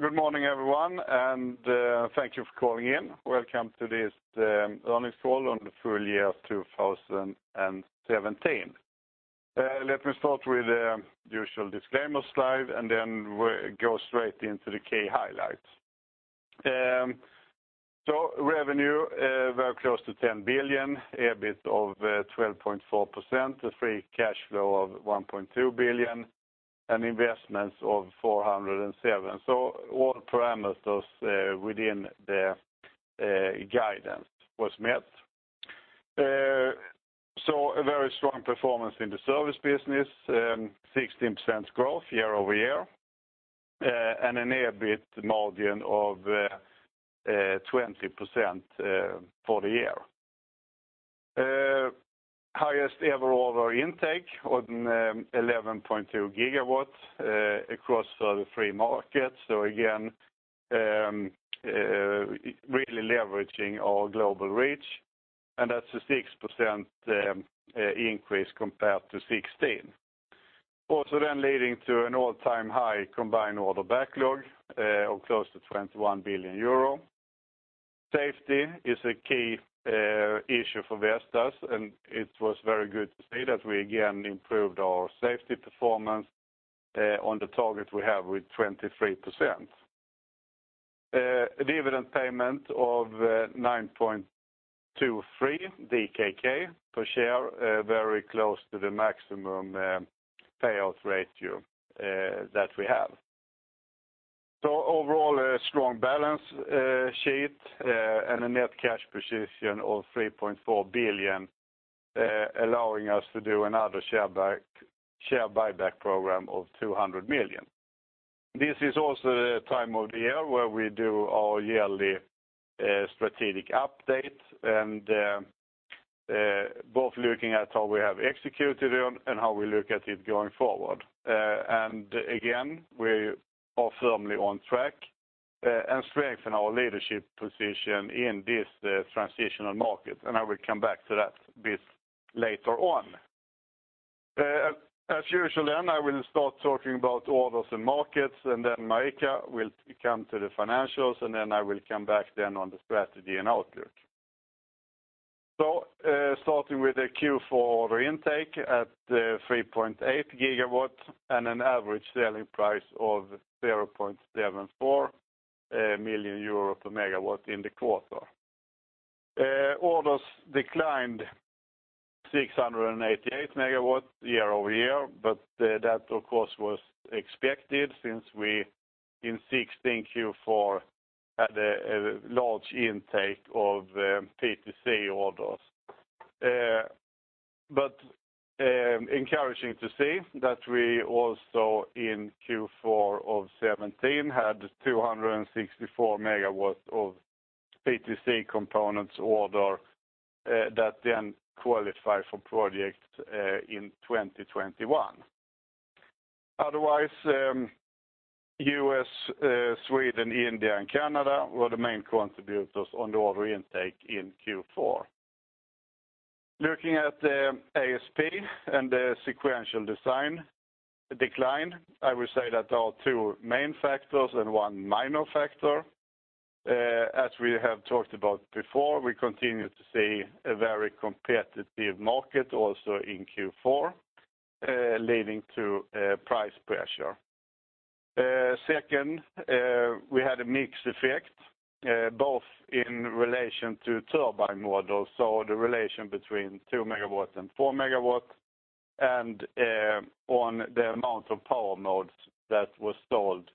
Good morning, everyone, and thank you for calling in. Welcome to this earnings call on the full year 2017. Let me start with the usual disclaimers slide and then go straight into the key highlights. Revenue, very close to 10 billion, EBIT of 12.4%, a free cash flow of 1.2 billion, and investments of 407. All parameters within the guidance was met. A very strong performance in the service business, 16% growth year-over-year, and an EBIT margin of 20% for the year. Highest ever order intake on 11.2 gigawatts across 33 markets. Again, really leveraging our global reach, and that's a 6% increase compared to 2016. Leading to an all-time high combined order backlog of close to 21 billion euro. Safety is a key issue for Vestas, and it was very good to see that we again improved our safety performance on the target we have with 23%. A dividend payment of 9.23 DKK per share, very close to the maximum payout ratio that we have. Overall, a strong balance sheet and a net cash position of 3.4 billion, allowing us to do another share buyback program of 200 million. This is also the time of the year where we do our yearly strategic update and both looking at how we have executed on and how we look at it going forward. Again, we are firmly on track and strengthen our leadership position in this transitional market. I will come back to that bit later on. As usual, I will start talking about orders and markets, Marika will come to the financials, I will come back on the strategy and outlook. Starting with the Q4 order intake at 3.8 gigawatts and an average selling price of 0.74 million euro per megawatt in the quarter. Orders declined 688 megawatts year-over-year, but that, of course, was expected since we, in 2016 Q4, had a large intake of PTC orders. Encouraging to see that we also in Q4 of 2017 had 264 megawatts of PTC components order that then qualify for projects in 2021. Otherwise, U.S., Sweden, India, and Canada were the main contributors on the order intake in Q4. Looking at the ASP and the sequential decline, I would say that there are two main factors and one minor factor. As we have talked about before, we continue to see a very competitive market also in Q4, leading to price pressure. Second, we had a mixed effect, both in relation to turbine models, so the relation between two megawatts and four megawatts, and on the amount of power modes that was sold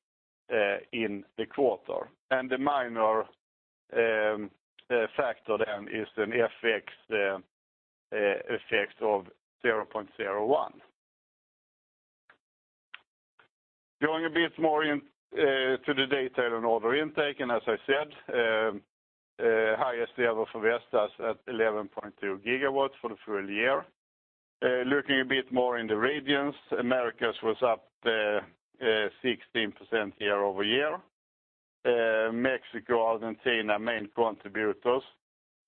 in the quarter. The minor factor is an effect of EUR 0.01. Going a bit more into the detail on order intake, and as I said, highest level for Vestas at 11.2 gigawatts for the full year. Looking a bit more in the regions, Americas was up 16% year-over-year. Mexico, Argentina, main contributors,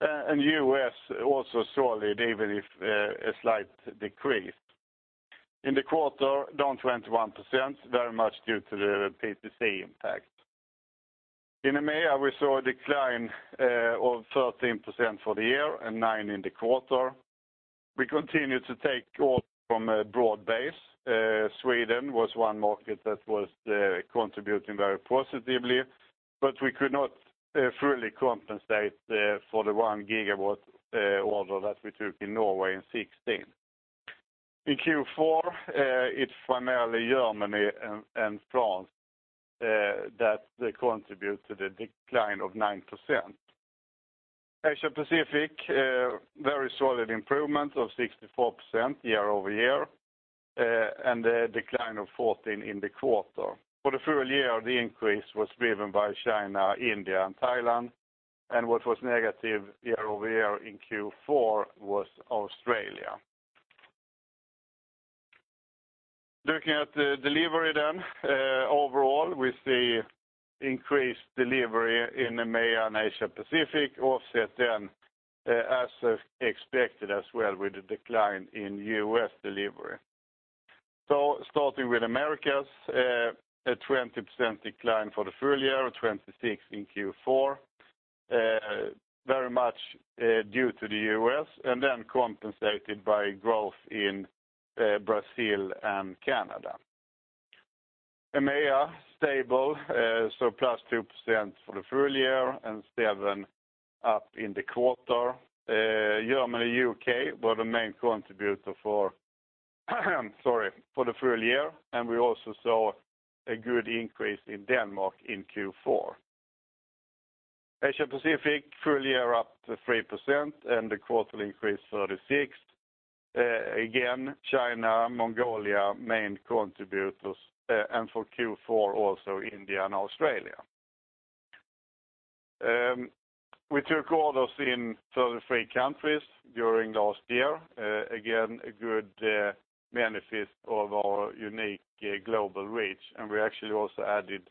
and U.S. also solid, even if a slight decrease. In the quarter, down 21%, very much due to the PTC impact. In EMEA, we saw a decline of 13% for the year and 9% in the quarter. We continued to take orders from a broad base. Sweden was one market that was contributing very positively, but we could not fully compensate for the 1 gigawatt order that we took in Norway in 2016. In Q4, it is primarily Germany and France that contribute to the decline of 9%. Asia Pacific, very solid improvement of 64% year-over-year and a decline of 14% in the quarter. What was negative year-over-year in Q4 was Australia. Looking at the delivery then, overall, we see increased delivery in EMEA and Asia Pacific offset then as expected as well with the decline in U.S. delivery. Starting with Americas, a 20% decline for the full year, 26% in Q4. Very much due to the U.S. and then compensated by growth in Brazil and Canada. EMEA, stable. Plus 2% for the full year and 7% up in the quarter. Germany, U.K. were the main contributor for, sorry, the full year, and we also saw a good increase in Denmark in Q4. Asia Pacific full year up 3% and the quarterly increase 36%. Again, China, Mongolia, main contributors, and for Q4, also India and Australia. We took orders in 33 countries during last year. Again, a good benefit of our unique global reach, and we actually also added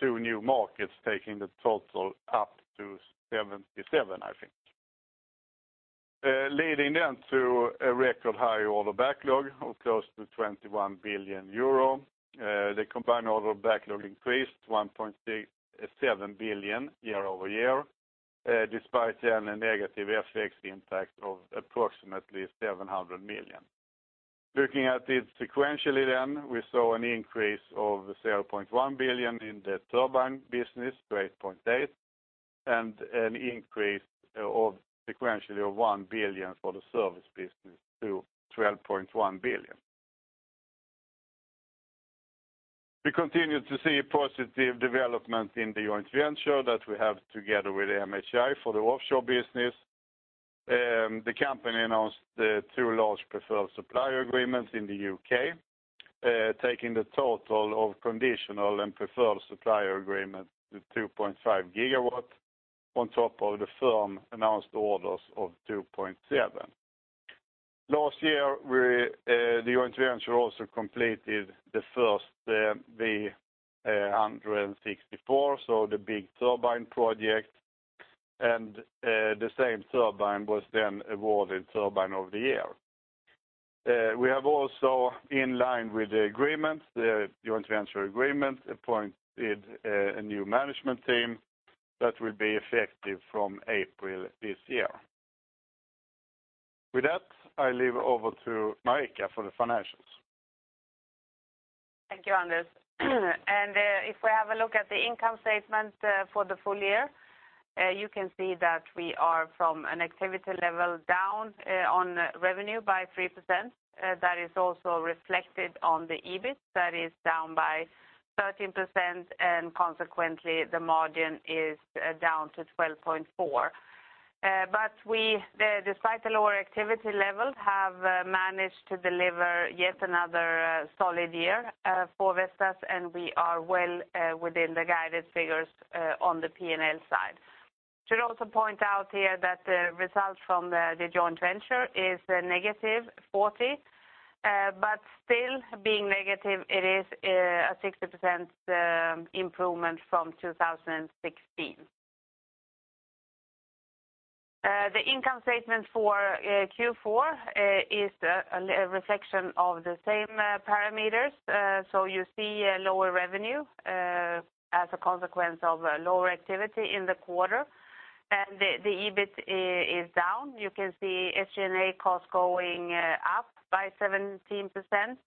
two new markets, taking the total up to 77, I think. Leading then to a record high order backlog of close to 21 billion euro. The combined order backlog increased to 1.67 billion year-over-year, despite then a negative FX impact of approximately 700 million. Looking at it sequentially then, we saw an increase of 0.1 billion in the turbine business to 8.8 billion, and an increase sequentially of 1 billion for the service business to 12.1 billion. We continue to see positive development in the joint venture that we have together with MHI for the offshore business. The company announced two large preferred supplier agreements in the U.K., taking the total of conditional and preferred supplier agreements to 2.5 gigawatts on top of the firm announced orders of 2.7 gigawatts. Last year, the joint venture also completed the first V164, so the big turbine project. The same turbine was then awarded Turbine of the Year. We have also, in line with the agreement, the joint venture agreement, appointed a new management team that will be effective from April this year. With that, I leave over to Marika for the financials. Thank you, Anders. If we have a look at the income statement for the full year, you can see that we are from an activity level down on revenue by 3%. That is also reflected on the EBIT. That is down by 13% and consequently, the margin is down to 12.4%. We, despite the lower activity level, have managed to deliver yet another solid year for Vestas, and we are well within the guided figures on the P&L side. Should also point out here that the result from the joint venture is a negative 40 million, but still being negative, it is a 60% improvement from 2016. The income statement for Q4 is a reflection of the same parameters. You see a lower revenue as a consequence of lower activity in the quarter. The EBIT is down. You can see SG&A costs going up by 17%.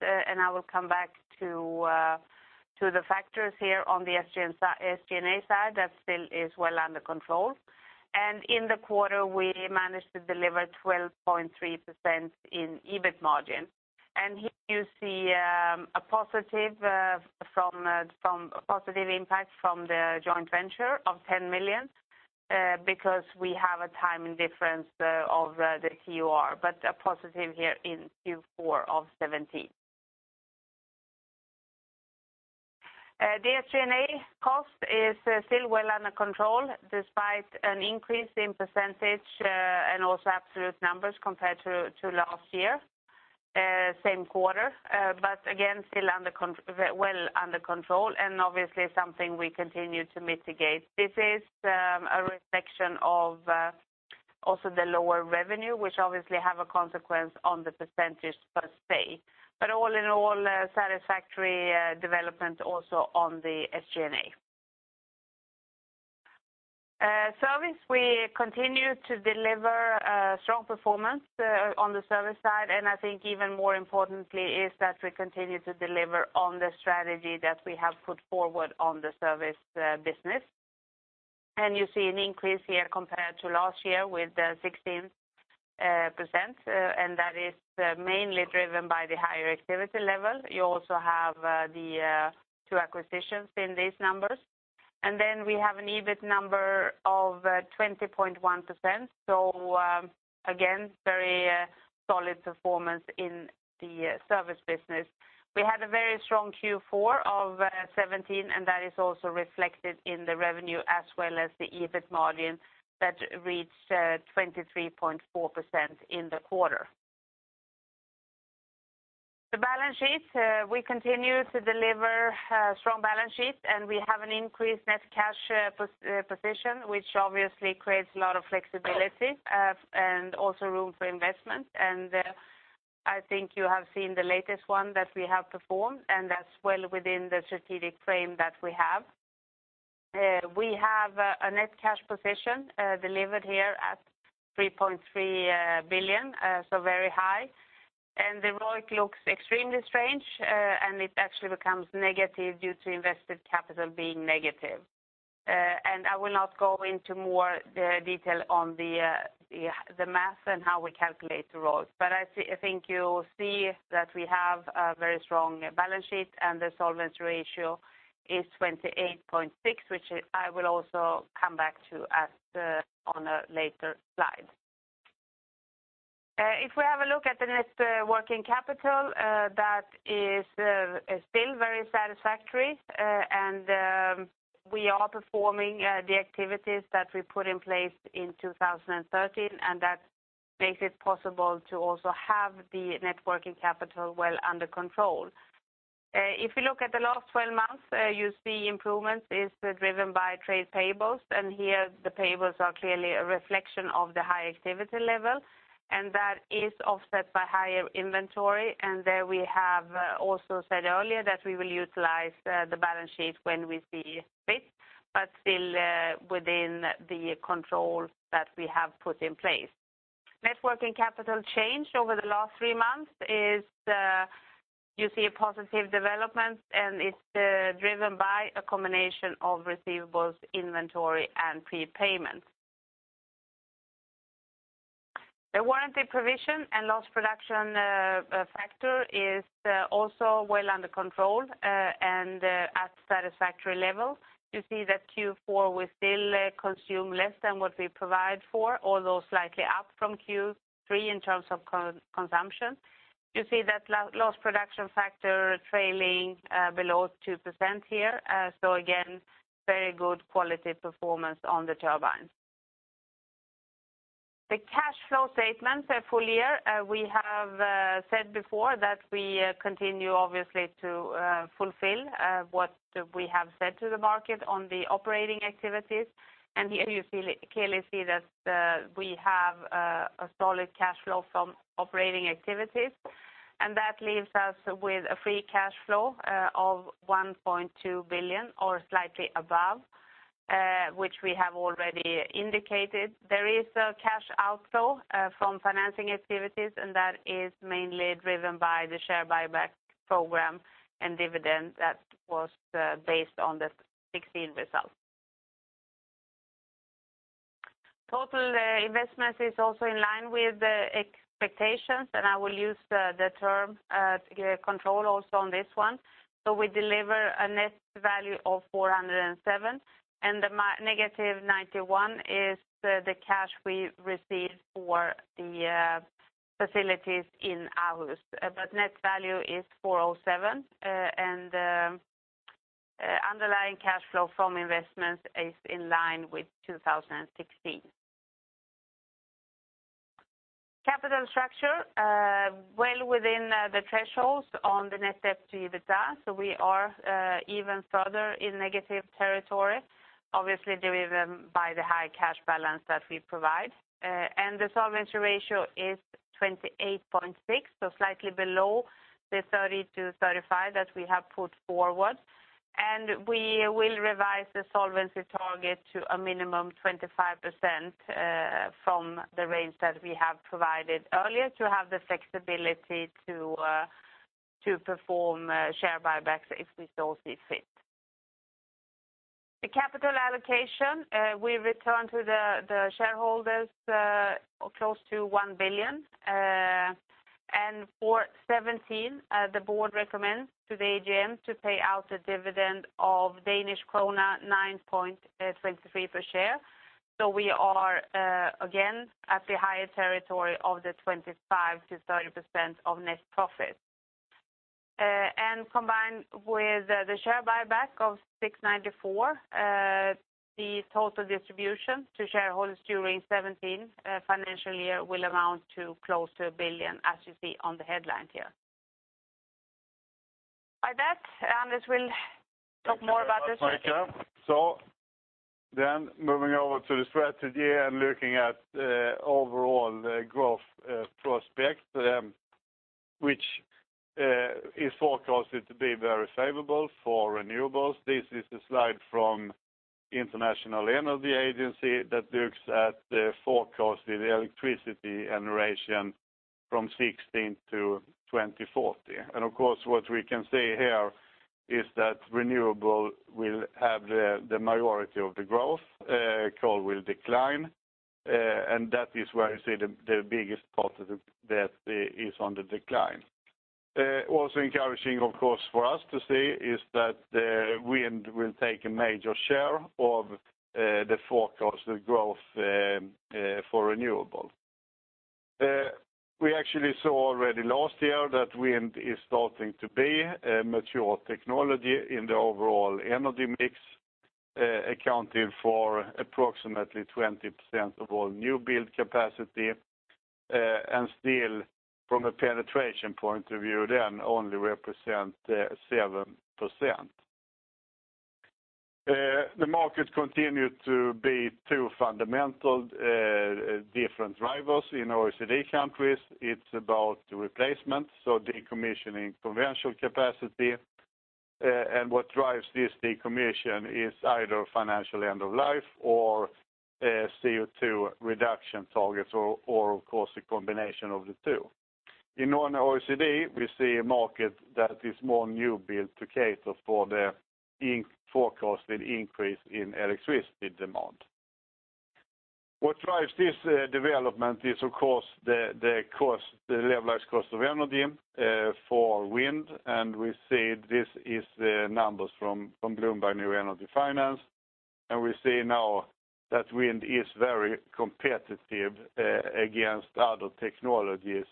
I will come back to the factors here on the SG&A side. That still is well under control. In the quarter, we managed to deliver 12.3% in EBIT margin. Here you see a positive impact from the joint venture of 10 million, because we have a timing difference of the (CUR), but a positive here in Q4 of 17. The SG&A cost is still well under control, despite an increase in percentage and also absolute numbers compared to last year, same quarter. Again, still well under control and obviously something we continue to mitigate. This is a reflection of also the lower revenue, which obviously have a consequence on the percentage per se. All in all, a satisfactory development also on the SG&A. Service, we continue to deliver a strong performance on the service side. I think even more importantly is that we continue to deliver on the strategy that we have put forward on the service business. You see an increase here compared to last year with 16%, and that is mainly driven by the higher activity level. You also have the two acquisitions in these numbers. Then we have an EBIT number of 20.1%. Again, very solid performance in the service business. We had a very strong Q4 of 2017, and that is also reflected in the revenue as well as the EBIT margin that reached 23.4% in the quarter. The balance sheet, we continue to deliver a strong balance sheet, and we have an increased net cash position, which obviously creates a lot of flexibility and also room for investment. I think you have seen the latest one that we have performed, and that's well within the strategic frame that we have. We have a net cash position delivered here at 3.3 billion, so very high. The ROIC looks extremely strange, and it actually becomes negative due to invested capital being negative. I will not go into more detail on the math and how we calculate the ROIC. I think you see that we have a very strong balance sheet and the solvency ratio is 28.6%, which I will also come back to on a later slide. If we have a look at the net working capital, that is still very satisfactory, and we are performing the activities that we put in place in 2013, and that makes it possible to also have the net working capital well under control. If you look at the last 12 months, you see improvements is driven by trade payables. Here the payables are clearly a reflection of the high activity level, and that is offset by higher inventory. There we have also said earlier that we will utilize the balance sheet when we see fit, but still within the controls that we have put in place. Net working capital change over the last three months is, you see a positive development, and it's driven by a combination of receivables, inventory, and prepayments. The warranty provision and loss production factor is also well under control, and at satisfactory level. You see that Q4 we still consume less than what we provide for, although slightly up from Q3 in terms of consumption. You see that loss production factor trailing below 2% here. Again, very good quality performance on the turbines. The cash flow statement for full year, we have said before that we continue obviously to fulfill what we have said to the market on the operating activities. Here you clearly see that we have a solid cash flow from operating activities. That leaves us with a free cash flow of 1.2 billion or slightly above, which we have already indicated. There is a cash outflow from financing activities, and that is mainly driven by the share buyback program and dividend that was based on the 2016 results. Total investments is also in line with the expectations, and I will use the term control also on this one. We deliver a net value of 407 million, and the negative 91 million is the cash we received for the facilities in Aarhus. Net value is 407 million, and underlying cash flow from investments is in line with 2016. Capital structure, well within the thresholds on the net debt to EBITDA. We are even further in negative territory, obviously driven by the high cash balance that we provide. The solvency ratio is 28.6%, slightly below the 30%-35% that we have put forward. We will revise the solvency target to a minimum 25% from the range that we have provided earlier to have the flexibility to perform share buybacks if we so see fit. The capital allocation, we return to the shareholders close to 1 billion. For 2017, the board recommends to the AGM to pay out a dividend of Danish krone 9.23 per share. We are again at the higher territory of the 25%-30% of net profit. Combined with the share buyback of 694 million, the total distribution to shareholders during 2017 financial year will amount to close to 1 billion, as you see on the headline here. By that, Anders will talk more about this. Thank you, Marika. Moving over to the strategy and looking at overall growth prospects, which is forecasted to be very favorable for renewables. This is a slide from International Energy Agency that looks at the forecast in electricity generation from 2016 to 2040. Of course, what we can say here is that renewable will have the majority of the growth, coal will decline, and that is where you see the biggest part of that is on the decline. Also encouraging, of course, for us to see is that wind will take a major share of the forecasted growth for renewable. We actually saw already last year that wind is starting to be a mature technology in the overall energy mix, accounting for approximately 20% of all new build capacity, and still, from a penetration point of view, then only represent 7%. The market continue to be two fundamental different drivers in OECD countries. It is about replacement, so decommissioning conventional capacity. What drives this decommission is either financial end of life or CO2 reduction targets or, of course, a combination of the two. In non-OECD, we see a market that is more new build to cater for the forecasted increase in electricity demand. What drives this development is, of course, the levelized cost of energy for wind, and we see these are the numbers from Bloomberg New Energy Finance. We see now that wind is very competitive against other technologies,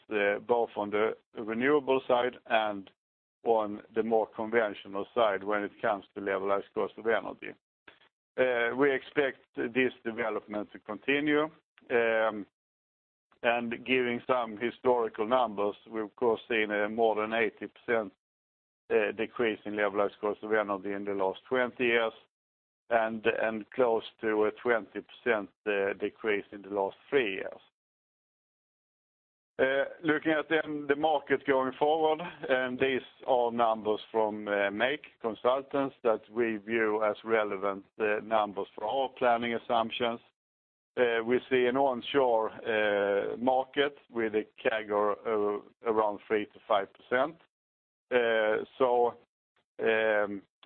both on the renewable side and on the more conventional side when it comes to levelized cost of energy. We expect this development to continue, giving some historical numbers, we have, of course, seen a more than 80% decrease in levelized cost of energy in the last 20 years and close to a 20% decrease in the last three years. Looking at the market going forward, these are numbers from MAKE Consulting that we view as relevant numbers for our planning assumptions. We see an onshore market with a CAGR around 3%-5%.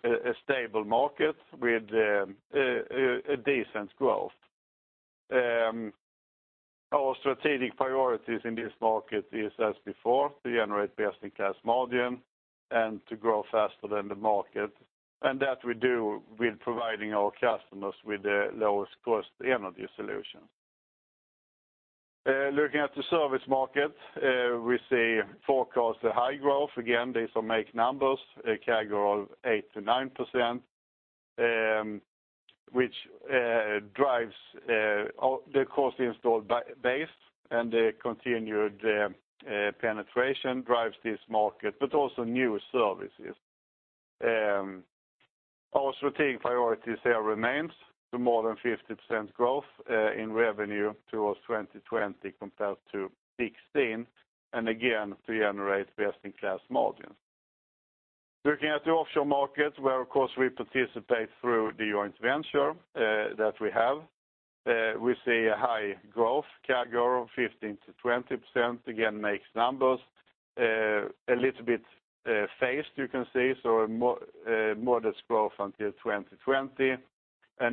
A stable market with a decent growth. Our strategic priorities in this market is as before, to generate best-in-class margin and to grow faster than the market. That we do with providing our customers with the lowest cost energy solution. Looking at the service market, we see forecasted high growth. These are MAKE numbers, a CAGR of 8%-9%, which drives the cost installed base and the continued penetration drives this market, but also new services. Our strategic priorities here remains to more than 50% growth in revenue towards 2020 compared to 2016, and again, to generate best-in-class margin. Looking at the offshore market, where, of course, we participate through the joint venture that we have, we see a high growth CAGR of 15%-20%. Again, MAKE's numbers. A little bit phased, you can see, a modest growth until 2020.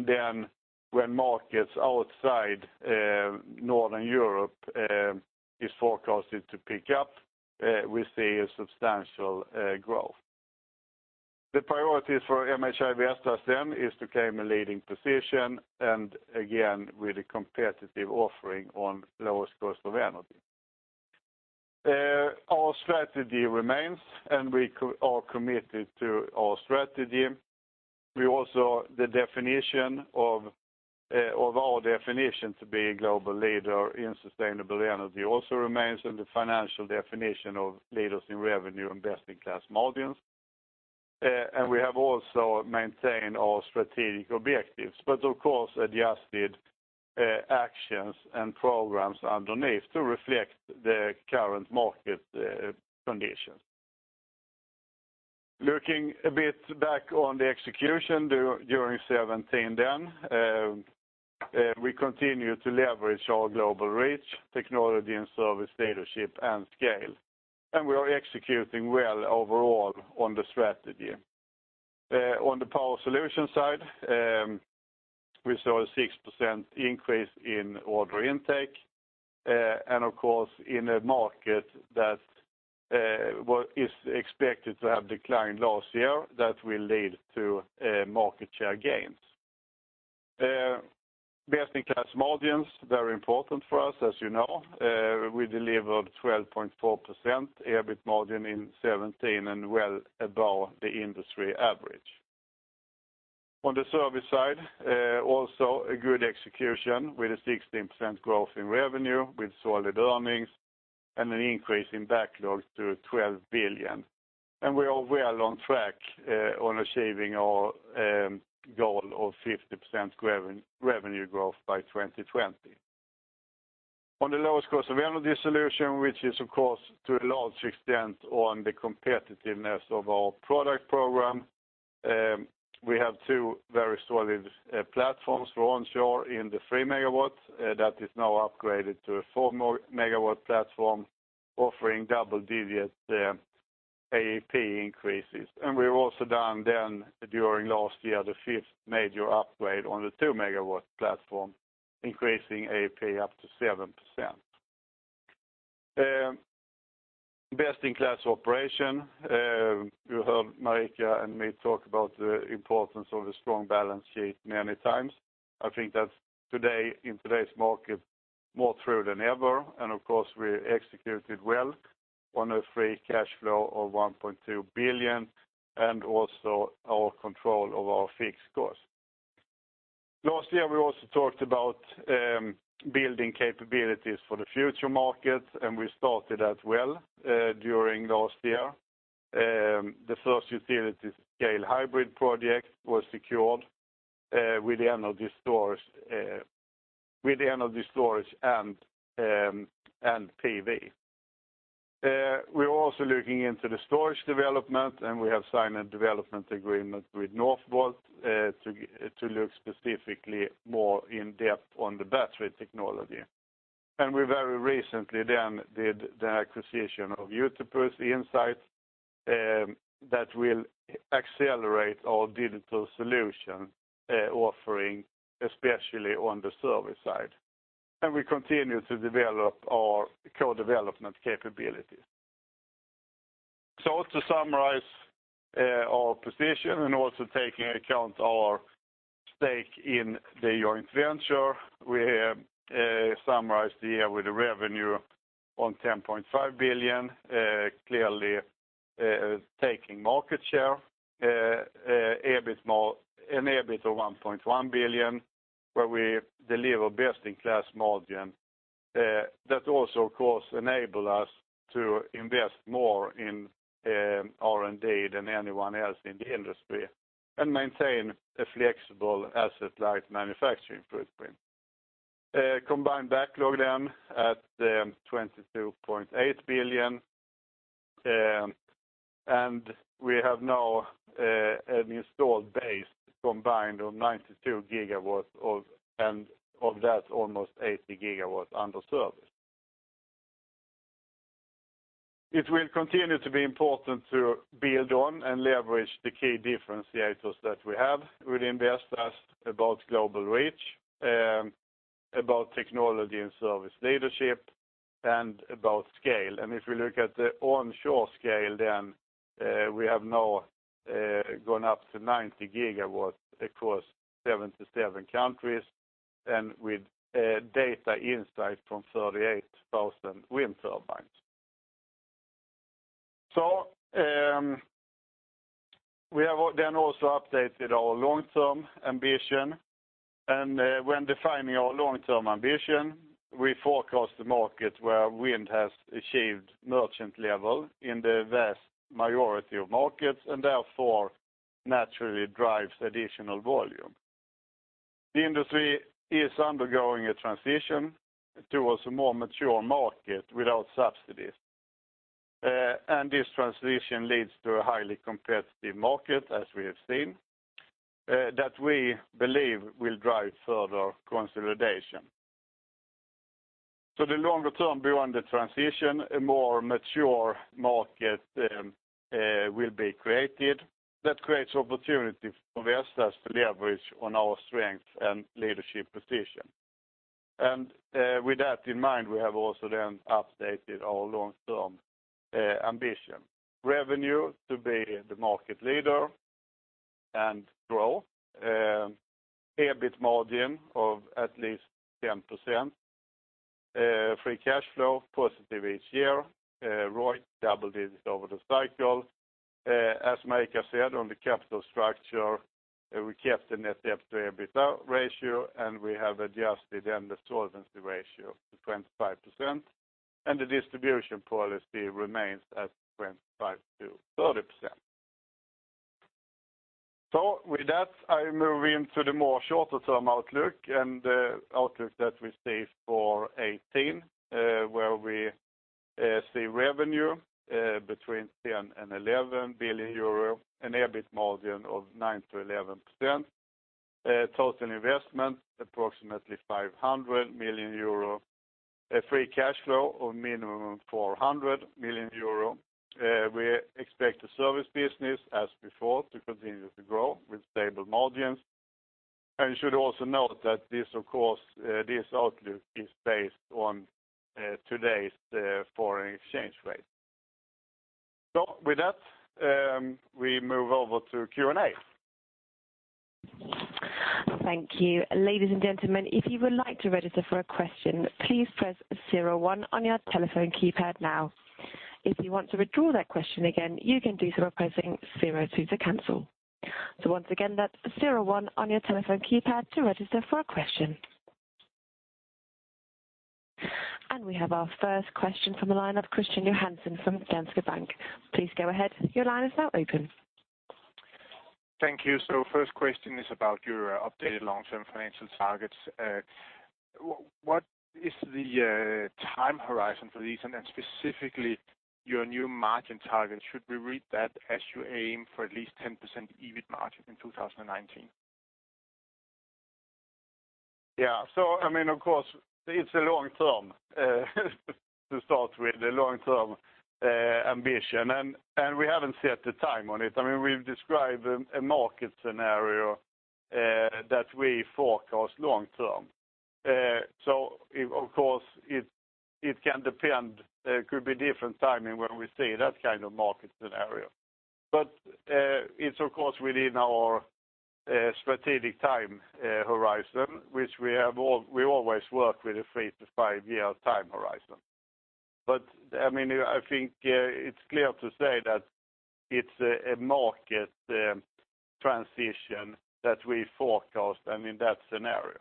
Then when markets outside Northern Europe is forecasted to pick up, we see a substantial growth. The priorities for MHI Vestas then is to claim a leading position, and again, with a competitive offering on lowest cost of energy. Our strategy remains, and we are committed to our strategy. The definition of our definition to be a global leader in sustainable energy also remains in the financial definition of leaders in revenue and best-in-class margins. We have also maintained our strategic objectives, but of course, adjusted actions and programs underneath to reflect the current market conditions. Looking a bit back on the execution during 2017 then, we continue to leverage our global reach, technology and service leadership, and scale. We are executing well overall on the strategy. On the Power Solutions side, we saw a 6% increase in order intake. Of course, in a market that is expected to have declined last year, that will lead to market share gains. Best-in-class margins, very important for us, as you know. We delivered 12.4% EBIT margin in 2017 and well above the industry average. On the service side, also a good execution with a 16% growth in revenue with solid earnings and an increase in backlog to 12 billion. We are well on track on achieving our goal of 50% revenue growth by 2020. On the levelized cost of energy solution, which is, of course, to a large extent on the competitiveness of our product program, we have two very solid platforms for onshore in the three MW that is now upgraded to a four MW platform offering double-digit AEP increases. We've also done then during last year, the fifth major upgrade on the two MW platform, increasing AEP up to 7%. Best-in-class operation. You heard Marika and me talk about the importance of a strong balance sheet many times. I think that's in today's market, more true than ever. Of course, we executed well on a free cash flow of 1.2 billion and also our control of our fixed costs. Last year, we also talked about building capabilities for the future markets, and we started that well during last year. The first utility-scale hybrid project was secured with the energy storage and PV. We're also looking into the storage development, and we have signed a development agreement with Northvolt to look specifically more in depth on the battery technology. We very recently then did the acquisition of Utopus Insights that will accelerate our digital solution offering, especially on the service side. We continue to develop our co-development capabilities. To summarize our position and also taking account our stake in the joint venture, we summarize the year with a revenue on 10.5 billion, clearly taking market share, an EBIT of 1.1 billion, where we deliver best-in-class margin. That also, of course, enable us to invest more in R&D than anyone else in the industry and maintain a flexible asset-light manufacturing footprint. Combined backlog then at 22.8 billion, and we have now an installed base combined of 92 gigawatts, and of that, almost 80 gigawatts under service. It will continue to be important to build on and leverage the key differentiators that we have with [inaudible] about global reach, about technology and service leadership, and about scale. If we look at the onshore scale, then we have now gone up to 90 gigawatts across 77 countries and with data insight from 38,000 wind turbines. We have then also updated our long-term ambition. When defining our long-term ambition, we forecast the market where wind has achieved merchant level in the vast majority of markets and therefore naturally drives additional volume. The industry is undergoing a transition towards a more mature market without subsidies. This transition leads to a highly competitive market, as we have seen, that we believe will drive further consolidation. The longer term beyond the transition, a more mature market will be created that creates opportunity for Vestas to leverage on our strength and leadership position. With that in mind, we have also then updated our long-term ambition. Revenue to be the market leader and grow. EBIT margin of at least 10%. Free cash flow, positive each year. ROIC, double digits over the cycle. As Marika said on the capital structure, we kept the net debt to EBITDA ratio, we have adjusted the solvency ratio to 25%, and the distribution policy remains at 25%-30%. With that, I move into the more shorter-term outlook and the outlook that we see for 2018, where we see revenue between 10 billion and 11 billion euro, an EBIT margin of 9%-11%, total investment approximately 500 million euro, a free cash flow of minimum 400 million euro. We expect the service business, as before, to continue to grow with stable margins. You should also note that this outlook is based on today's foreign exchange rate. With that, we move over to Q&A. Thank you. Ladies and gentlemen, if you would like to register for a question, please press 01 on your telephone keypad now. If you want to withdraw that question again, you can do so by pressing 02 to cancel. Once again, that's 01 on your telephone keypad to register for a question. We have our first question from the line of Christian Johansen from DNB. Please go ahead. Your line is now open. Thank you. First question is about your updated long-term financial targets. What is the time horizon for these, and then specifically your new margin target? Should we read that as you aim for at least 10% EBIT margin in 2019? Yeah. Of course, it's a long-term to start with, a long-term ambition, we haven't set the time on it. We've described a market scenario that we forecast long-term. Of course, it can depend. It could be different timing when we see that kind of market scenario. It's, of course, within our strategic time horizon, which we always work with a three to five-year time horizon. I think it's clear to say that it's a market transition that we forecast in that scenario.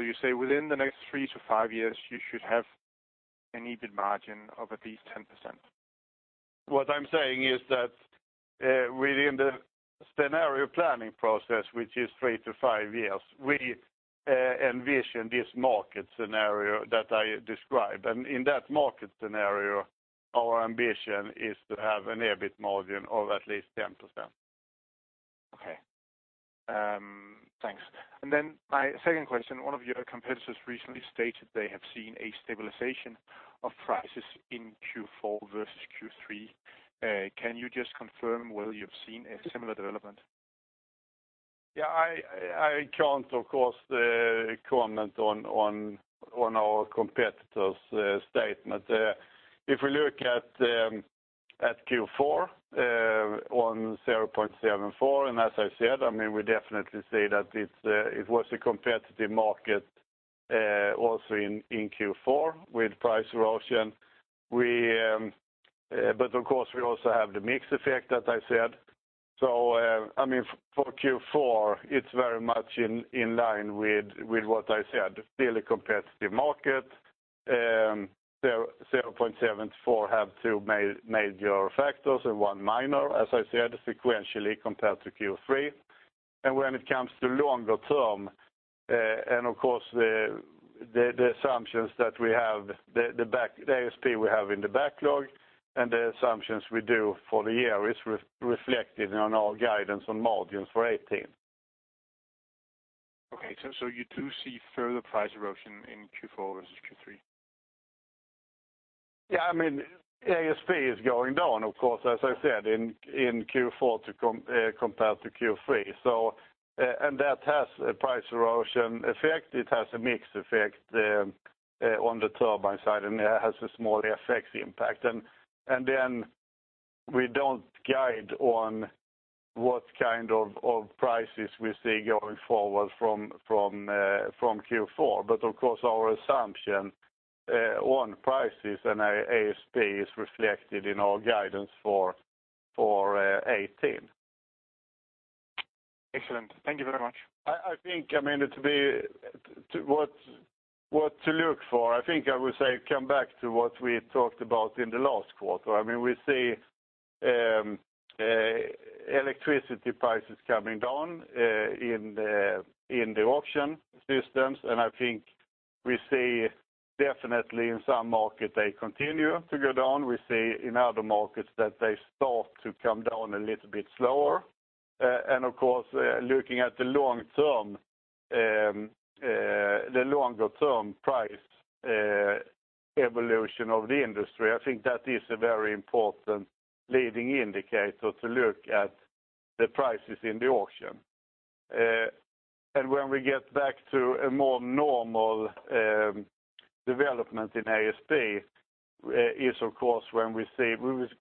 You say within the next three to five years, you should have an EBIT margin of at least 10%? What I'm saying is that within the scenario planning process, which is three to five years, we envision this market scenario that I described. In that market scenario, our ambition is to have an EBIT margin of at least 10%. Okay. Thanks. My second question, one of your competitors recently stated they have seen a stabilization of prices in Q4 versus Q3. Can you just confirm whether you've seen a similar development? Yeah, I can't, of course, comment on our competitor's statement. If we look at Q4 on 0.74, as I said, we definitely see that it was a competitive market also in Q4 with price erosion. Of course, we also have the mix effect that I said. For Q4, it's very much in line with what I said, still a competitive market. 0.74 have two major factors and one minor, as I said, sequentially compared to Q3. When it comes to longer term, and of course, the ASP we have in the backlog and the assumptions we do for the year is reflected on our guidance on margins for 2018. Okay, you do see further price erosion in Q4 versus Q3? Yeah, ASP is going down, of course, as I said, in Q4 compared to Q3. That has a price erosion effect. It has a mix effect on the turbine side, it has a small FX impact. We don't guide on what kind of prices we see going forward from Q4. Of course, our assumption on prices and ASP is reflected in our guidance for 2018. Excellent. Thank you very much. I think, what to look for, I think I would say come back to what we talked about in the last quarter. We see electricity prices coming down in the auction systems, I think we see definitely in some markets they continue to go down. We see in other markets that they start to come down a little bit slower. Of course, looking at the longer term price evolution of the industry, I think that is a very important leading indicator to look at the prices in the auction. When we get back to a more normal development in ASP is, of course, when we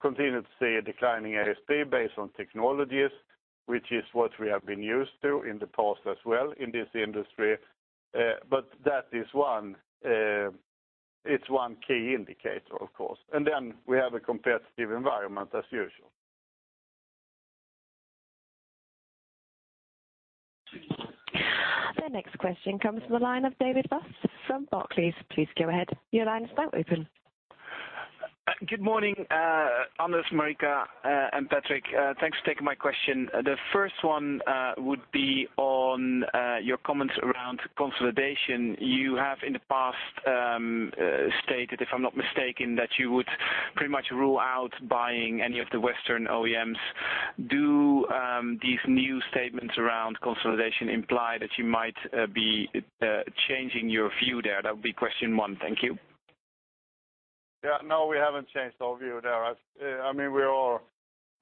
continue to see a declining ASP based on technologies, which is what we have been used to in the past as well in this industry. That is one key indicator, of course. We have a competitive environment as usual. The next question comes from the line of David Buss from Barclays. Please go ahead. Your line is now open. Good morning, Anders, Marika, and Patrik. Thanks for taking my question. The first one would be on your comments around consolidation. You have, in the past, stated, if I'm not mistaken, that you would pretty much rule out buying any of the Western OEMs. Do these new statements around consolidation imply that you might be changing your view there? That would be question one. Thank you. Yeah. No, we haven't changed our view there.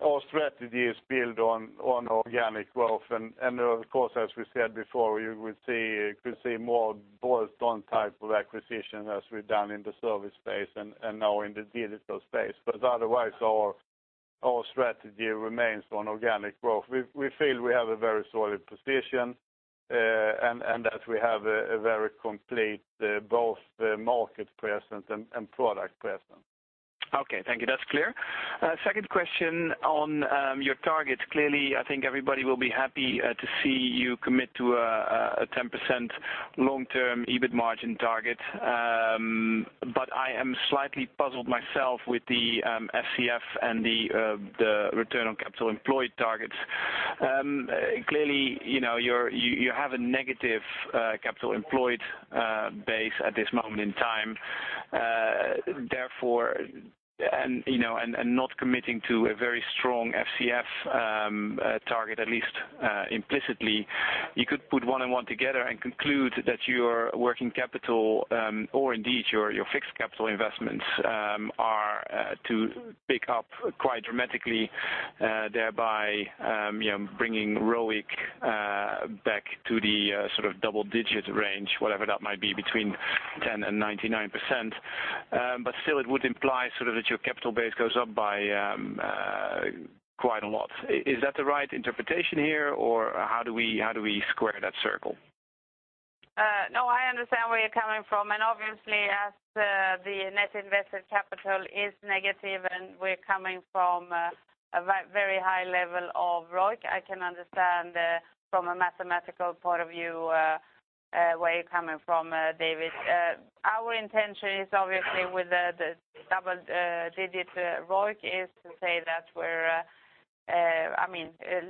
Our strategy is built on organic growth. Of course, as we said before, we could see more bolt-on type of acquisition as we've done in the service space and now in the digital space. Otherwise, our strategy remains on organic growth. We feel we have a very solid position, and that we have a very complete both market presence and product presence. Okay. Thank you. That's clear. Second question on your targets. Clearly, I think everybody will be happy to see you commit to a 10% long-term EBIT margin target. I am slightly puzzled myself with the FCF and the return on capital employed targets. Clearly, you have a negative capital employed base at this moment in time. Therefore, not committing to a very strong FCF target, at least implicitly, you could put one and one together and conclude that your working capital or indeed your fixed capital investments are to pick up quite dramatically, thereby, bringing ROIC back to the double-digit range, whatever that might be between 10% and 99%. Still, it would imply that your capital base goes up by quite a lot. Is that the right interpretation here, or how do we square that circle? No, I understand where you're coming from. Obviously, as the net invested capital is negative and we're coming from a very high level of ROIC, I can understand from a mathematical point of view. Where you're coming from, David. Our intention is obviously with the double-digit ROIC is to say that we're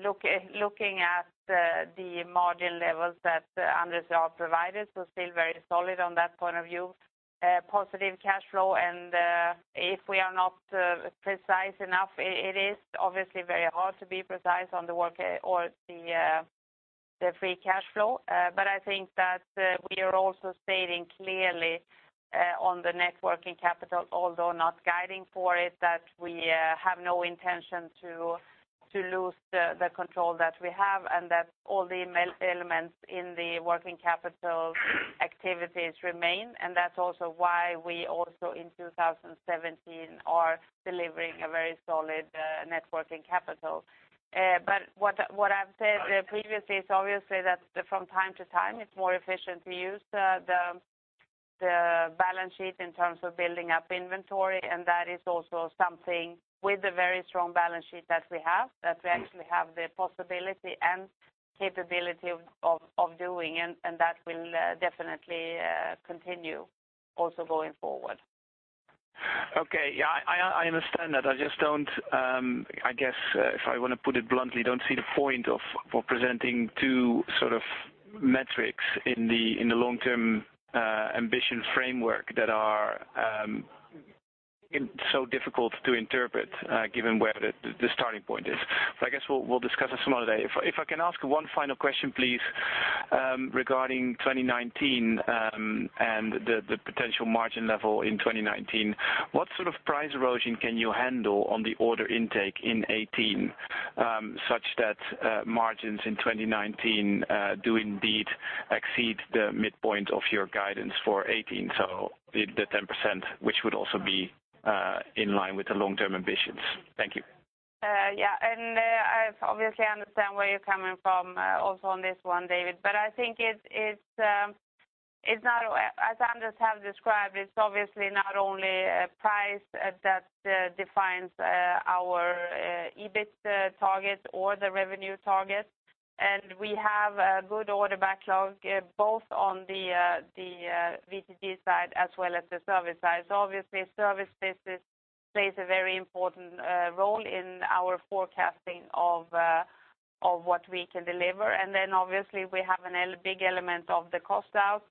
looking at the margin levels that Anders has provided, so still very solid on that point of view. Positive cash flow. If we are not precise enough, it is obviously very hard to be precise on the ROIC or the free cash flow. I think that we are also stating clearly on the net working capital, although not guiding for it, that we have no intention to lose the control that we have and that all the elements in the working capital activities remain. That's also why we also in 2017 are delivering a very solid net working capital. What I've said previously is obviously that from time to time, it's more efficient to use the balance sheet in terms of building up inventory. That is also something with the very strong balance sheet that we have, that we actually have the possibility and capability of doing. That will definitely continue also going forward. Okay. Yeah, I understand that. I guess if I want to put it bluntly, I don't see the point of presenting two sort of metrics in the long-term ambition framework that are so difficult to interpret, given where the starting point is. I guess we'll discuss this some other day. If I can ask one final question, please, regarding 2019 and the potential margin level in 2019. What sort of price erosion can you handle on the order intake in 2018, such that margins in 2019 do indeed exceed the midpoint of your guidance for 2018, so the 10%, which would also be in line with the long-term ambitions? Thank you. Yeah. I obviously understand where you're coming from also on this one, David. I think as Anders has described, it's obviously not only price that defines our EBIT target or the revenue target. We have a good order backlog, both on the WTG side as well as the service side. Obviously, service-based plays a very important role in our forecasting of what we can deliver. Then obviously we have a big element of the cost out.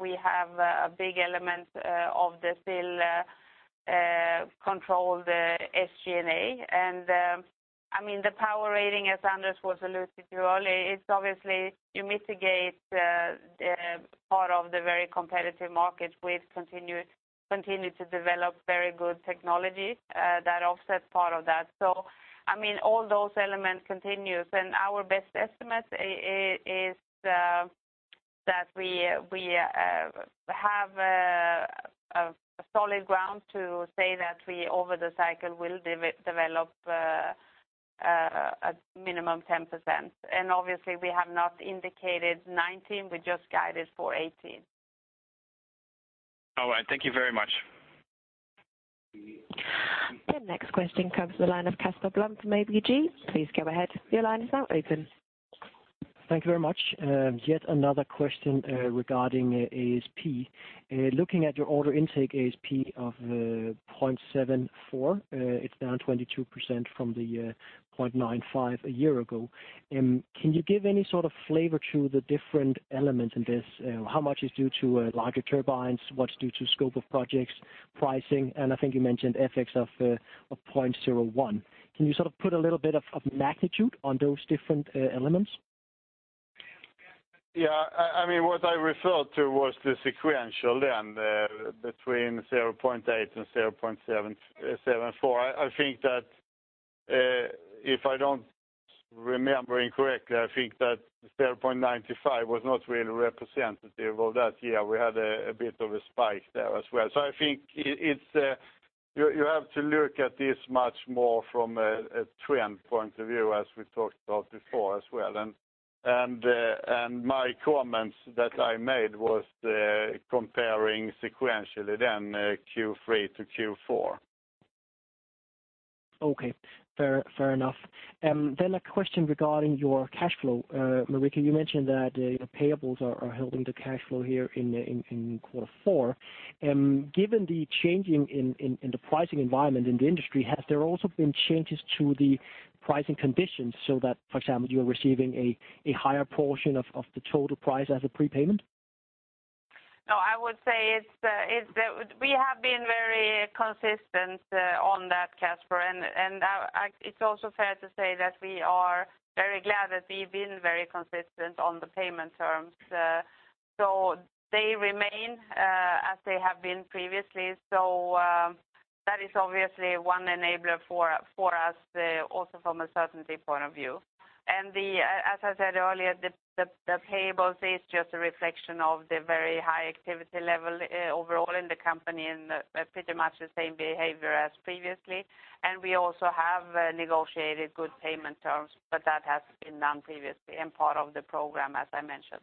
We have a big element of the still controlled SG&A. The Power Rating, as Anders was alluding to earlier, it's obviously you mitigate part of the very competitive market with continuing to develop very good technology that offsets part of that. All those elements continue. Our best estimate is that we have a solid ground to say that we, over the cycle, will develop a minimum 10%. Obviously, we have not indicated 2019, we just guided for 2018. All right. Thank you very much. The next question comes to the line of Casper Blom from ABG. Please go ahead. Your line is now open. Thank you very much. Yet another question regarding ASP. Looking at your order intake ASP of 0.74, it's down 22% from the 0.95 a year ago. Can you give any sort of flavor to the different elements in this? How much is due to larger turbines, what's due to scope of projects, pricing, and I think you mentioned FX of 0.01. Can you sort of put a little bit of magnitude on those different elements? Yeah. What I referred to was the sequential then between 0.8 and 0.74. If I don't remembering correctly, I think that 0.95 was not really representative of that year. We had a bit of a spike there as well. I think you have to look at this much more from a trend point of view, as we talked about before as well. My comments that I made was comparing sequentially then Q3 to Q4. Okay. Fair enough. A question regarding your cash flow. Marika, you mentioned that your payables are helping the cash flow here in quarter four. Given the changing in the pricing environment in the industry, has there also been changes to the pricing conditions so that, for example, you're receiving a higher portion of the total price as a prepayment? No, I would say we have been very consistent on that, Casper. It's also fair to say that we are very glad that we've been very consistent on the payment terms. They remain as they have been previously. That is obviously one enabler for us also from a certainty point of view. As I said earlier, the payables is just a reflection of the very high activity level overall in the company, and pretty much the same behavior as previously. We also have negotiated good payment terms, but that has been done previously and part of the program, as I mentioned.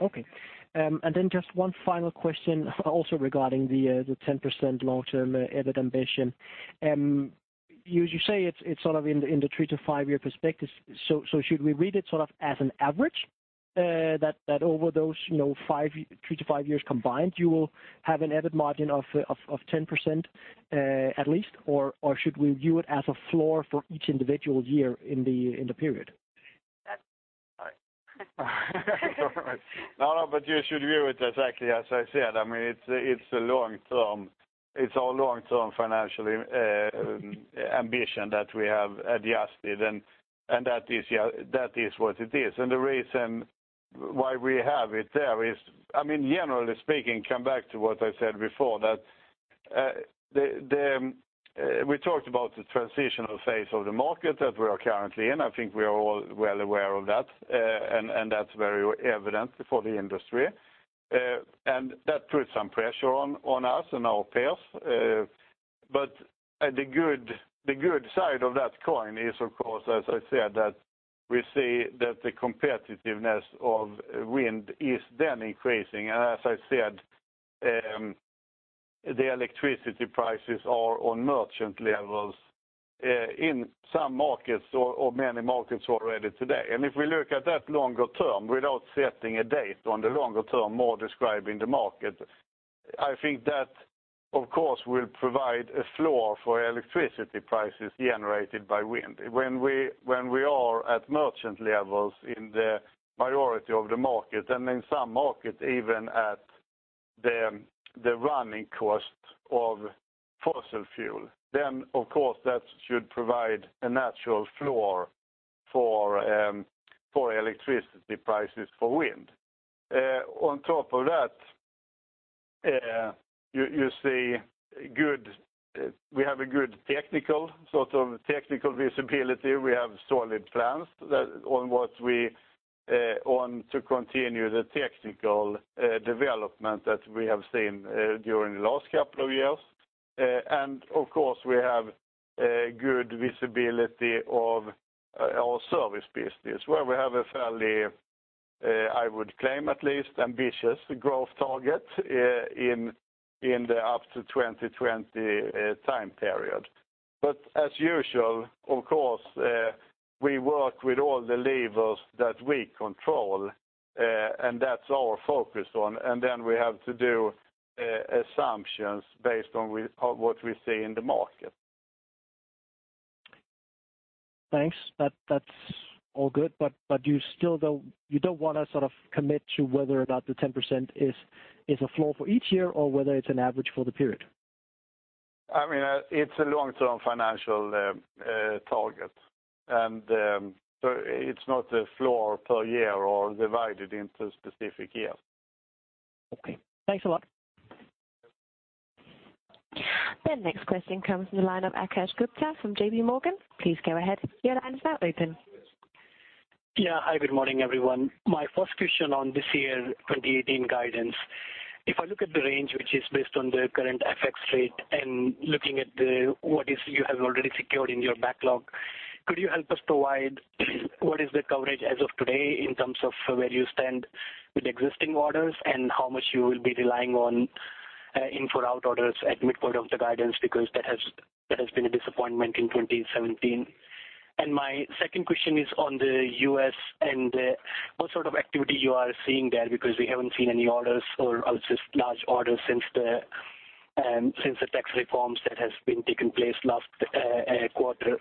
Okay. Just one final question also regarding the 10% long-term EBIT ambition. You say it's in the three to five-year perspective. Should we read it as an average that over those three to five years combined, you will have an EBIT margin of 10% at least, or should we view it as a floor for each individual year in the period? You should view it exactly as I said. It's our long-term financial ambition that we have adjusted, that is what it is. The reason why we have it there is, generally speaking, come back to what I said before, that we talked about the transitional phase of the market that we are currently in. I think we are all well aware of that, and that's very evident for the industry. That puts some pressure on us and our peers. The good side of that coin is, of course, as I said, that we see that the competitiveness of wind is then increasing. As I said, the electricity prices are on merchant levels in some markets or many markets already today. If we look at that longer term, without setting a date on the longer term, more describing the market, I think that, of course, will provide a floor for electricity prices generated by wind. When we are at merchant levels in the majority of the market and in some markets, even at the running cost of fossil fuel, of course that should provide a natural floor for electricity prices for wind. On top of that, we have a good technical visibility. We have solid plans on what we want to continue the technical development that we have seen during the last couple of years. Of course, we have good visibility of our service business, where we have a fairly, I would claim at least, ambitious growth target in the up to 2020 time period. As usual, of course, we work with all the levers that we control, that's our focus on, we have to do assumptions based on what we see in the market. Thanks. That's all good. You don't want to sort of commit to whether or not the 10% is a floor for each year or whether it's an average for the period? It's a long-term financial target, and it's not a floor per year or divided into specific years. Okay. Thanks a lot. The next question comes from the line of Akash Gupta from J.P. Morgan. Please go ahead. Your line is now open. Yeah. Hi, good morning, everyone. My first question on this year, 2018 guidance. If I look at the range, which is based on the current FX rate and looking at what you have already secured in your backlog, could you help us provide what is the coverage as of today in terms of where you stand with existing orders and how much you will be relying on in-for-out orders at midpoint of the guidance? Because that has been a disappointment in 2017. My second question is on the U.S. and what sort of activity you are seeing there, because we haven't seen any orders or just large orders since the tax reforms that has been taken place last quarter.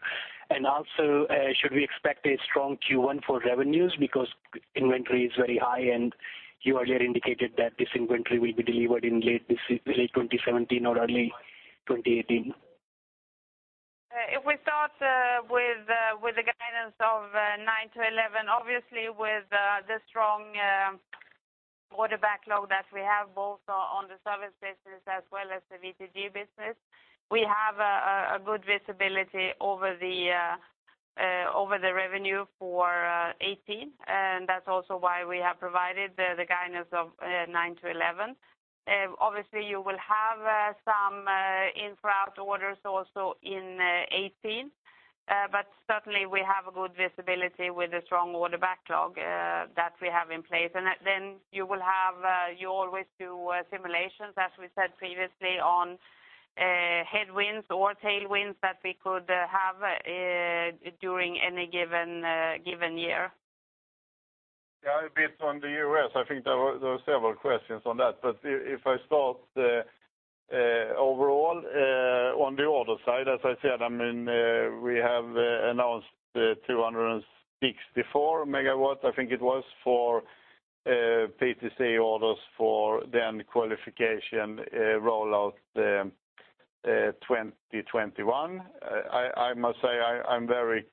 Should we expect a strong Q1 for revenues because inventory is very high and you earlier indicated that this inventory will be delivered in late 2017 or early 2018? If we start with the guidance of 9 billion-11 billion, obviously with the strong order backlog that we have both on the service business as well as the (V2G business), we have a good visibility over the revenue for 2018, and that's also why we have provided the guidance of 9 billion-11 billion. Obviously, you will have some in-for-out orders also in 2018. Certainly, we have a good visibility with a strong order backlog that we have in place. You always do simulations, as we said previously, on headwinds or tailwinds that we could have during any given year. A bit on the U.S., I think there were several questions on that. If I start overall on the order side, as I said, we have announced 264 megawatts, I think it was, for PTC orders for then qualification rollout 2021. I must say I'm very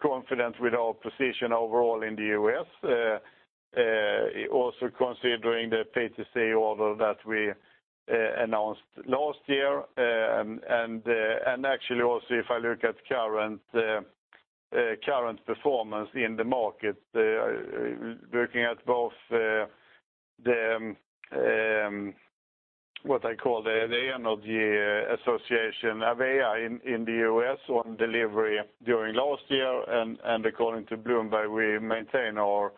confident with our position overall in the U.S., also considering the PTC order that we announced last year. Actually also, if I look at current performance in the market, looking at both the AWEA in the U.S. on delivery during last year. According to Bloomberg, we maintain our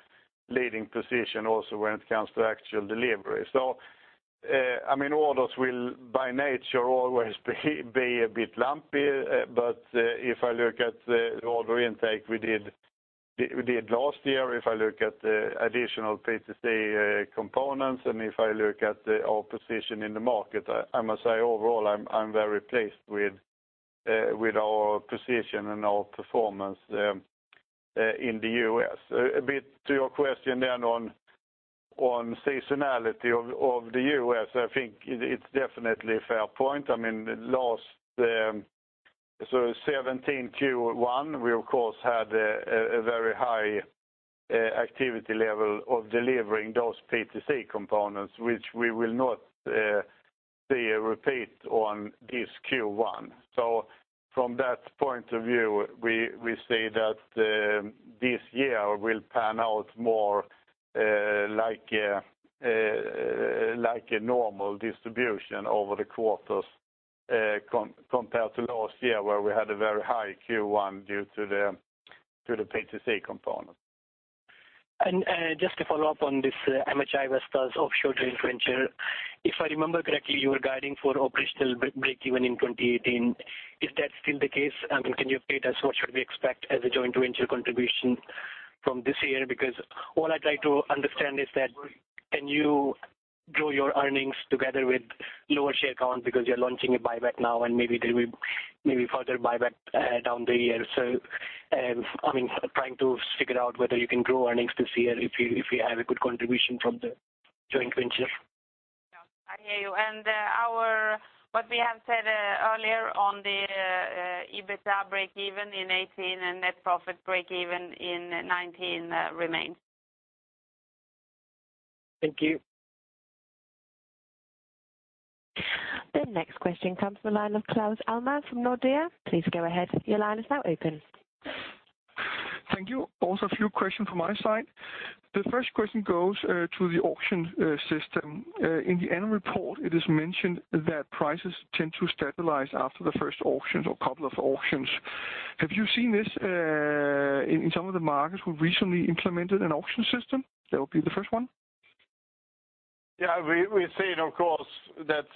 leading position also when it comes to actual delivery. Orders will by nature always be a bit lumpy, but if I look at the order intake we did last year, if I look at the additional PTC components, and if I look at our position in the market, I must say, overall, I'm very pleased with our position and our performance in the U.S. A bit to your question then on seasonality of the U.S., I think it's definitely a fair point. Last 2017 Q1, we, of course, had a very high activity level of delivering those PTC components, which we will not see a repeat on this Q1. From that point of view, we say that this year will pan out more like a normal distribution over the quarters compared to last year where we had a very high Q1 due to the PTC component. Just to follow up on this MHI Vestas offshore joint venture. If I remember correctly, you were guiding for operational breakeven in 2018. Is that still the case? Can you update us, what should we expect as a joint venture contribution from this year? Because all I try to understand is that, can you grow your earnings together with lower share count because you're launching a buyback now and maybe there will be further buyback down the year? I'm trying to figure out whether you can grow earnings this year if you have a good contribution from the joint venture. Yeah, I hear you. What we have said earlier on the EBITDA breakeven in 2018 and net profit breakeven in 2019 remains. Thank you. The next question comes from the line of Claus Almer from Nordea. Please go ahead. Your line is now open. Thank you. A few questions from my side. The first question goes to the auction system. In the annual report, it is mentioned that prices tend to stabilize after the first auctions or couple of auctions. Have you seen this in some of the markets who recently implemented an auction system? That would be the first one. Yeah. We've seen, of course, that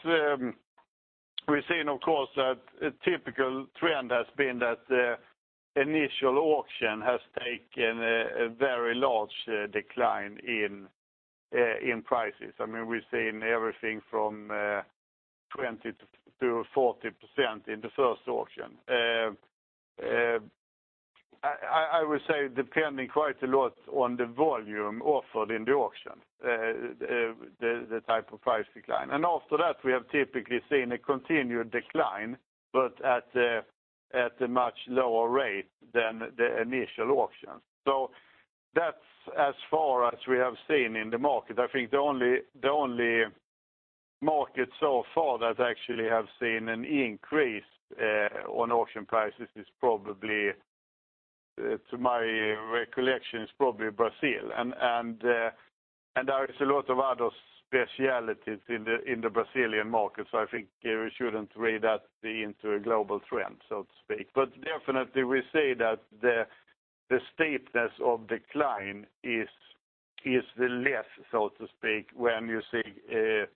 a typical trend has been that the initial auction has taken a very large decline in prices. We've seen everything from 20% to 40% in the first auction. I would say depending quite a lot on the volume offered in the auction, the type of price decline. After that, we have typically seen a continued decline, but at a much lower rate than the initial auction. That's as far as we have seen in the market. I think the only market so far that actually have seen an increase on auction prices is probably, to my recollection, is probably Brazil. There is a lot of other specialties in the Brazilian market. I think we shouldn't read that into a global trend, so to speak. Definitely we say that the steepness of decline is less, so to speak, when you see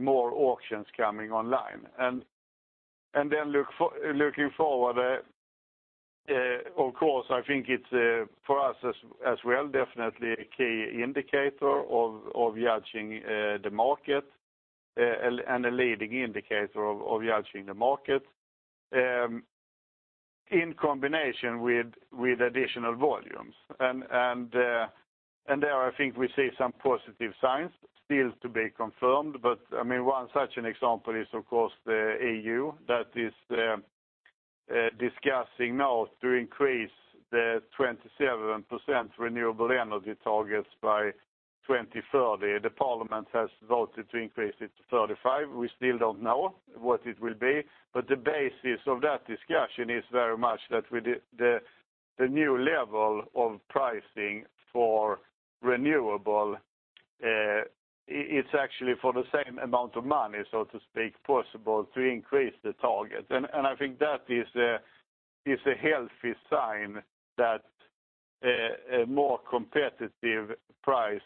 more auctions coming online. Looking forward, of course, I think it's for us as well, definitely a key indicator of judging the market, and a leading indicator of judging the market, in combination with additional volumes. There, I think we see some positive signs still to be confirmed. One such an example is, of course, the EU that is discussing now to increase the 27% renewable energy targets by 2030. The parliament has voted to increase it to 35. We still don't know what it will be, but the basis of that discussion is very much that the new level of pricing for renewable, it's actually for the same amount of money, so to speak, possible to increase the target. I think that is a healthy sign that a more competitive price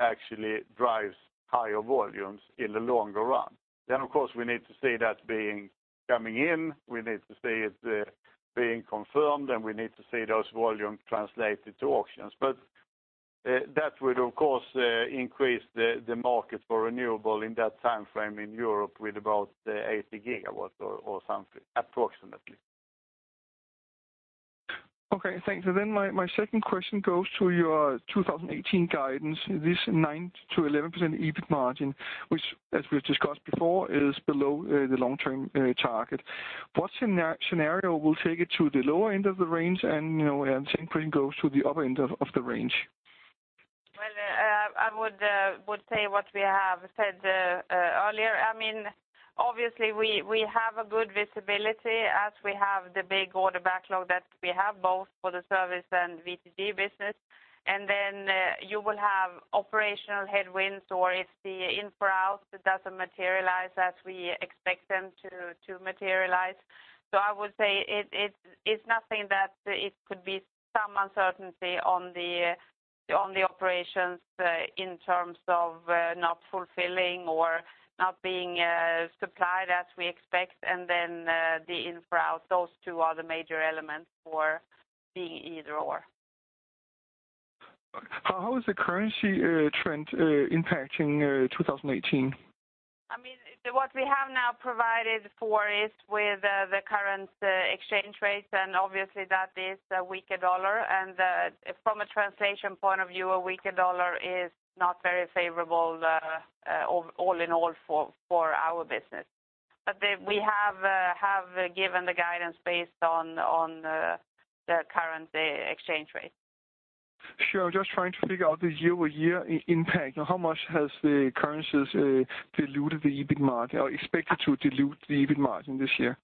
actually drives higher volumes in the longer run. Of course, we need to see that coming in. We need to see it being confirmed, and we need to see those volumes translated to auctions. That would, of course, increase the market for renewable in that timeframe in Europe with about 80 gigawatts or something, approximately. Okay, thanks. My second question goes to your 2018 guidance, this 9%-11% EBIT margin, which as we've discussed before, is below the long-term target. What scenario will take it to the lower end of the range and same question goes to the upper end of the range? Well, I would say what we have said earlier. I mean, obviously, we have a good visibility as we have the big order backlog that we have both for the service and WTG business. You will have operational headwinds, or if the inflows doesn't materialize as we expect them to materialize. I would say it's nothing that it could be some uncertainty on the operations in terms of not fulfilling or not being supplied as we expect, the inflows. Those two are the major elements for being either or. How is the currency trend impacting 2018? What we have now provided for is with the current exchange rate, obviously that is a weaker dollar. From a translation point of view, a weaker dollar is not very favorable all in all for our business. We have given the guidance based on the current exchange rate. Sure. Just trying to figure out the year-over-year impact. How much has the currencies diluted the EBIT margin or expected to dilute the EBIT margin this year?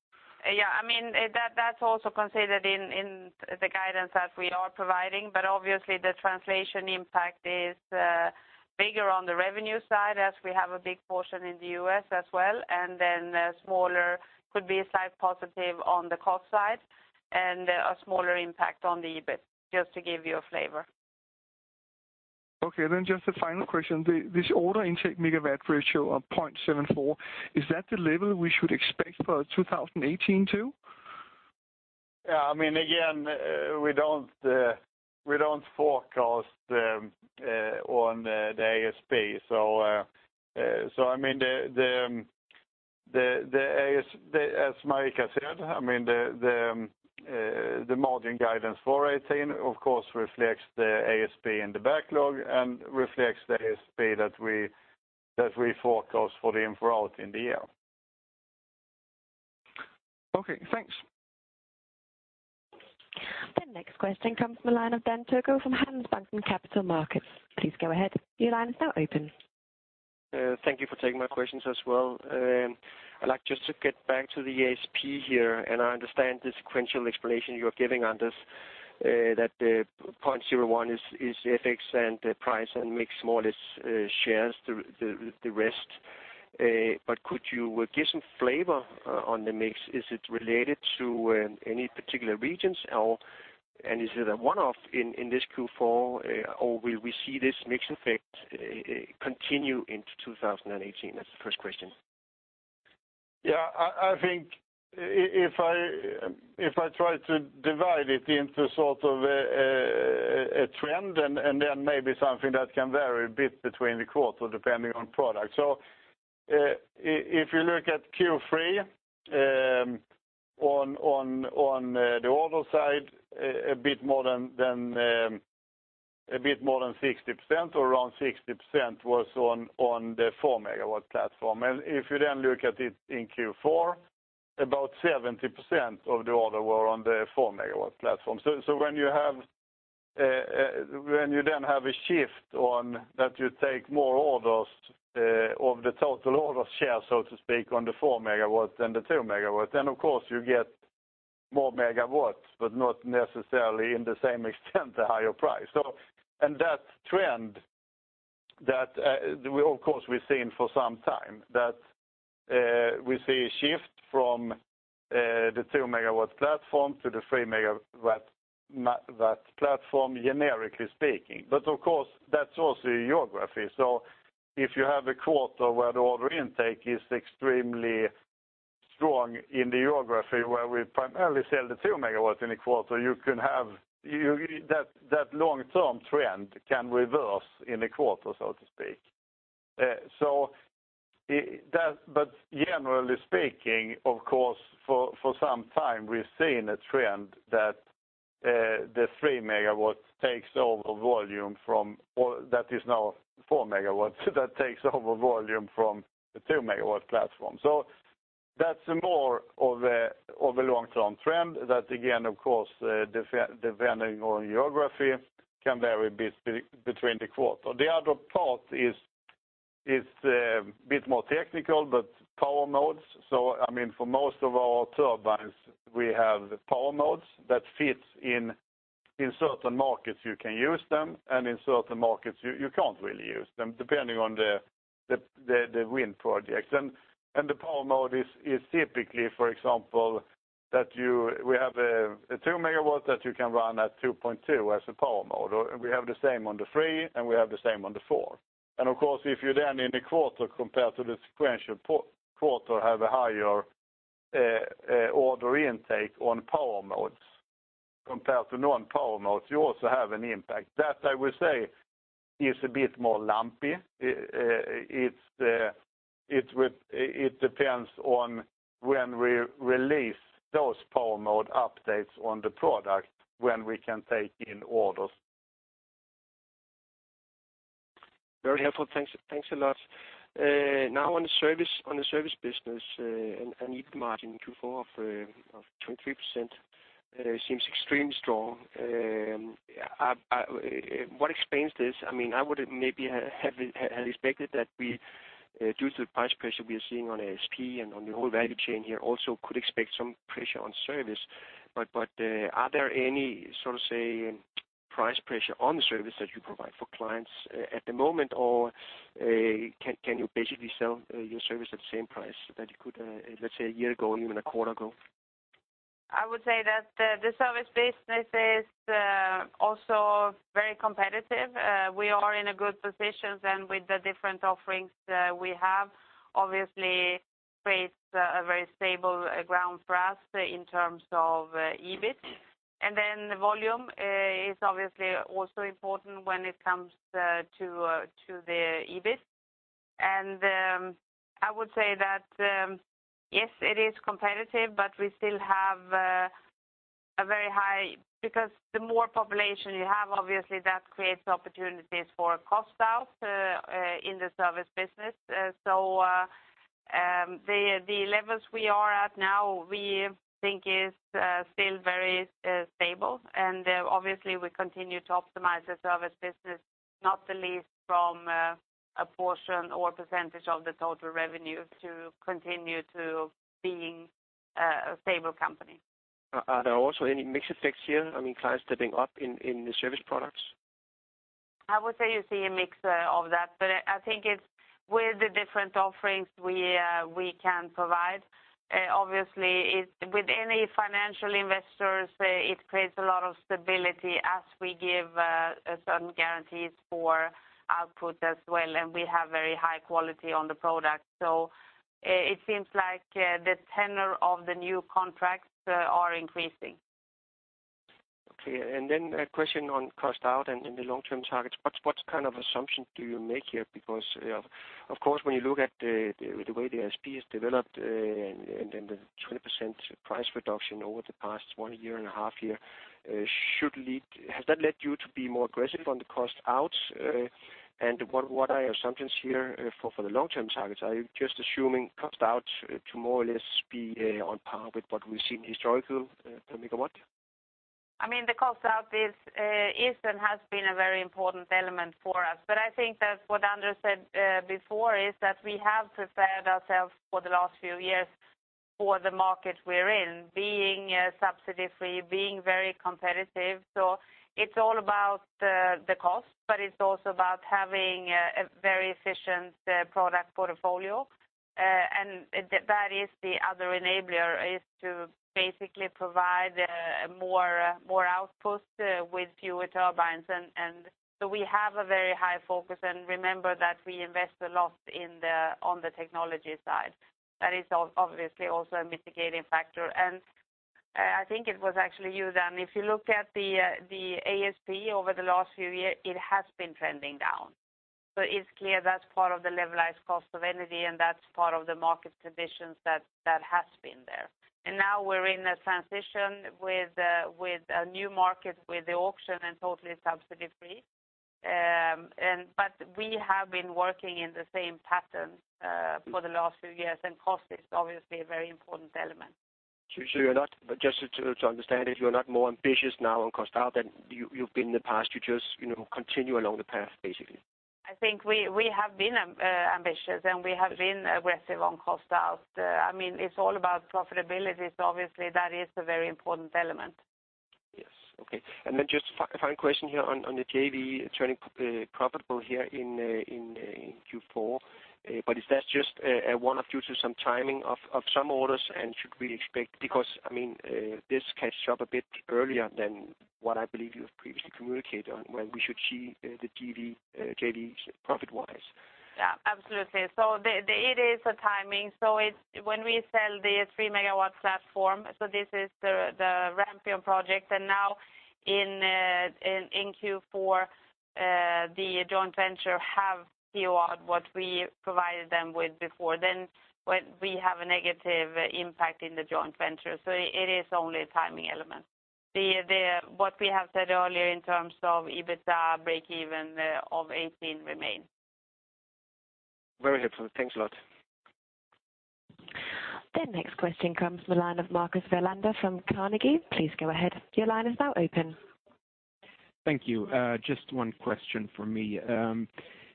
Yeah. That's also considered in the guidance that we are providing. Obviously, the translation impact is bigger on the revenue side as we have a big portion in the U.S. as well, and then smaller could be a slight positive on the cost side and a smaller impact on the EBIT, just to give you a flavor. Okay, just a final question. This order intake megawatt ratio of 0.74, is that the level we should expect for 2018 too? Yeah. Again, we don't forecast on the ASP. As Marika said, the margin guidance for 2018, of course, reflects the ASP in the backlog and reflects the ASP that we forecast for the in-for-out in the year. Okay, thanks. The next question comes from the line of Dan Togo from Handelsbanken Capital Markets. Please go ahead. Your line is now open. Thank you for taking my questions as well. I understand the sequential explanation you are giving on this, that the 0.01 is FX and the price and mix more or less shares the rest. Could you give some flavor on the mix? Is it related to any particular regions, and is it a one-off in this Q4, or will we see this mix effect continue into 2018? That's the first question. Yeah. I think if I try to divide it into sort of a trend and then maybe something that can vary a bit between the quarter depending on product. If you look at Q3 on the order side, a bit more than 60% or around 60% was on the 4 MW platform. If you then look at it in Q4, about 70% of the order were on the 4 MW platform. When you then have a shift on that you take more orders of the total order share, so to speak, on the 4 MWs than the 2 MWs, then of course you get more MWs, but not necessarily in the same extent the higher price. That trend, of course, we've seen for some time, that we see a shift from the 2 MW platform to the 3 MW platform, generically speaking. Of course, that's also geography. If you have a quarter where the order intake is extremely strong in the geography where we primarily sell the 2 MW in a quarter, that long-term trend can reverse in a quarter, so to speak. Generally speaking, of course, for some time, we've seen a trend that the 3 MW takes over volume from, or that is now 4 MW that takes over volume from the 2 MW platform. That's more of a long-term trend that again, of course, depending on geography, can vary a bit between the quarter. The other part is a bit more technical, power modes. For most of our turbines, we have power modes that fit in certain markets you can use them, and in certain markets you can't really use them, depending on the wind projects. The power mode is typically, for example, that we have a 2 MW that you can run at 2.2 as a power mode. We have the same on the 3 and we have the same on the 4. Of course, if you then in a quarter compared to the sequential quarter have a higher order intake on power modes compared to non-power modes, you also have an impact. That I would say is a bit more lumpy. It depends on when we release those power mode updates on the product when we can take in orders. Very helpful. Thanks a lot. On the service business and EBIT margin in Q4 of 23%. Seems extremely strong. What explains this? I would maybe have expected that due to the price pressure we are seeing on ASP and on the whole value chain here, also could expect some pressure on service. Are there any price pressure on the service that you provide for clients at the moment, or can you basically sell your service at the same price that you could, let's say a year ago, even a quarter ago? I would say that the service business is also very competitive. We are in a good position, with the different offerings we have, obviously creates a very stable ground for us in terms of EBIT. The volume is obviously also important when it comes to the EBIT. I would say that, yes, it is competitive. Because the more population you have, obviously that creates opportunities for cost out in the service business. The levels we are at now we think is still very stable. Obviously we continue to optimize the service business, not the least from a portion or % of the total revenue to continue to being a stable company. Are there also any mix effects here? Clients stepping up in the service products? I would say you see a mix of that. I think it's with the different offerings we can provide. Obviously, with any financial investors, it creates a lot of stability as we give certain guarantees for output as well. We have very high quality on the product. It seems like the tenor of the new contracts are increasing. Okay, then a question on cost out and the long-term targets. What kind of assumption do you make here? Of course, when you look at the way the ASP has developed, the 20% price reduction over the past one year and a half year, has that led you to be more aggressive on the cost out? What are your assumptions here for the long-term targets? Are you just assuming cost out to more or less be on par with what we've seen historically per megawatt? The cost out is and has been a very important element for us. I think that what Anders said before is that we have prepared ourselves for the last few years for the market we're in, being subsidy-free, being very competitive. It's all about the cost. It's also about having a very efficient product portfolio. That is the other enabler, is to basically provide more output with fewer turbines. We have a very high focus. Remember that we invest a lot on the technology side. That is obviously also a mitigating factor. I think it was actually you, Dan, if you look at the ASP over the last few years, it has been trending down. It's clear that's part of the levelized cost of energy. That's part of the market conditions that has been there. Now we're in a transition with a new market with the auction and totally subsidy-free. We have been working in the same pattern for the last few years, and cost is obviously a very important element. Just to understand it, you're not more ambitious now on cost out than you've been in the past. You just continue along the path, basically. I think we have been ambitious and we have been aggressive on cost out. It's all about profitability, obviously that is a very important element. Yes. Okay. Just a final question here on the JV turning profitable here in Q4. Is that just one of due to some timing of some orders? Should we expect, because this catch up a bit earlier than what I believe you have previously communicated on when we should see the JV profit-wise. Yeah, absolutely. It is a timing. When we sell the 3 megawatt platform, this is the Rampion project. Now in Q4, the joint venture have PO'd what we provided them with before. We have a negative impact in the joint venture, so it is only a timing element. What we have said earlier in terms of EBITDA break even of 2018 remain. Very helpful. Thanks a lot. The next question comes from the line of Marcus Bellander from Carnegie. Please go ahead. Your line is now open. Thank you. Just one question from me.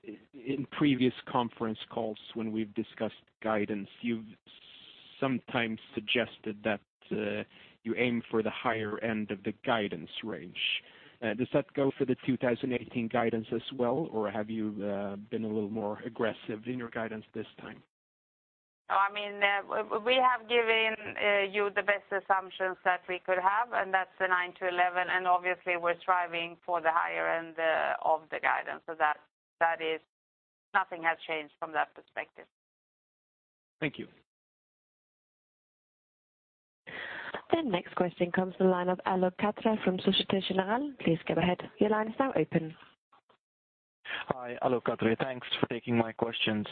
In previous conference calls when we've discussed guidance, you've sometimes suggested that you aim for the higher end of the guidance range. Does that go for the 2018 guidance as well, or have you been a little more aggressive in your guidance this time? We have given you the best assumptions that we could have, that's the 9%-11%, obviously we're striving for the higher end of the guidance. Nothing has changed from that perspective. Thank you. The next question comes from the line of Alok Katre from Societe Generale. Please go ahead. Your line is now open. Hi, Alok Katre. Thanks for taking my questions.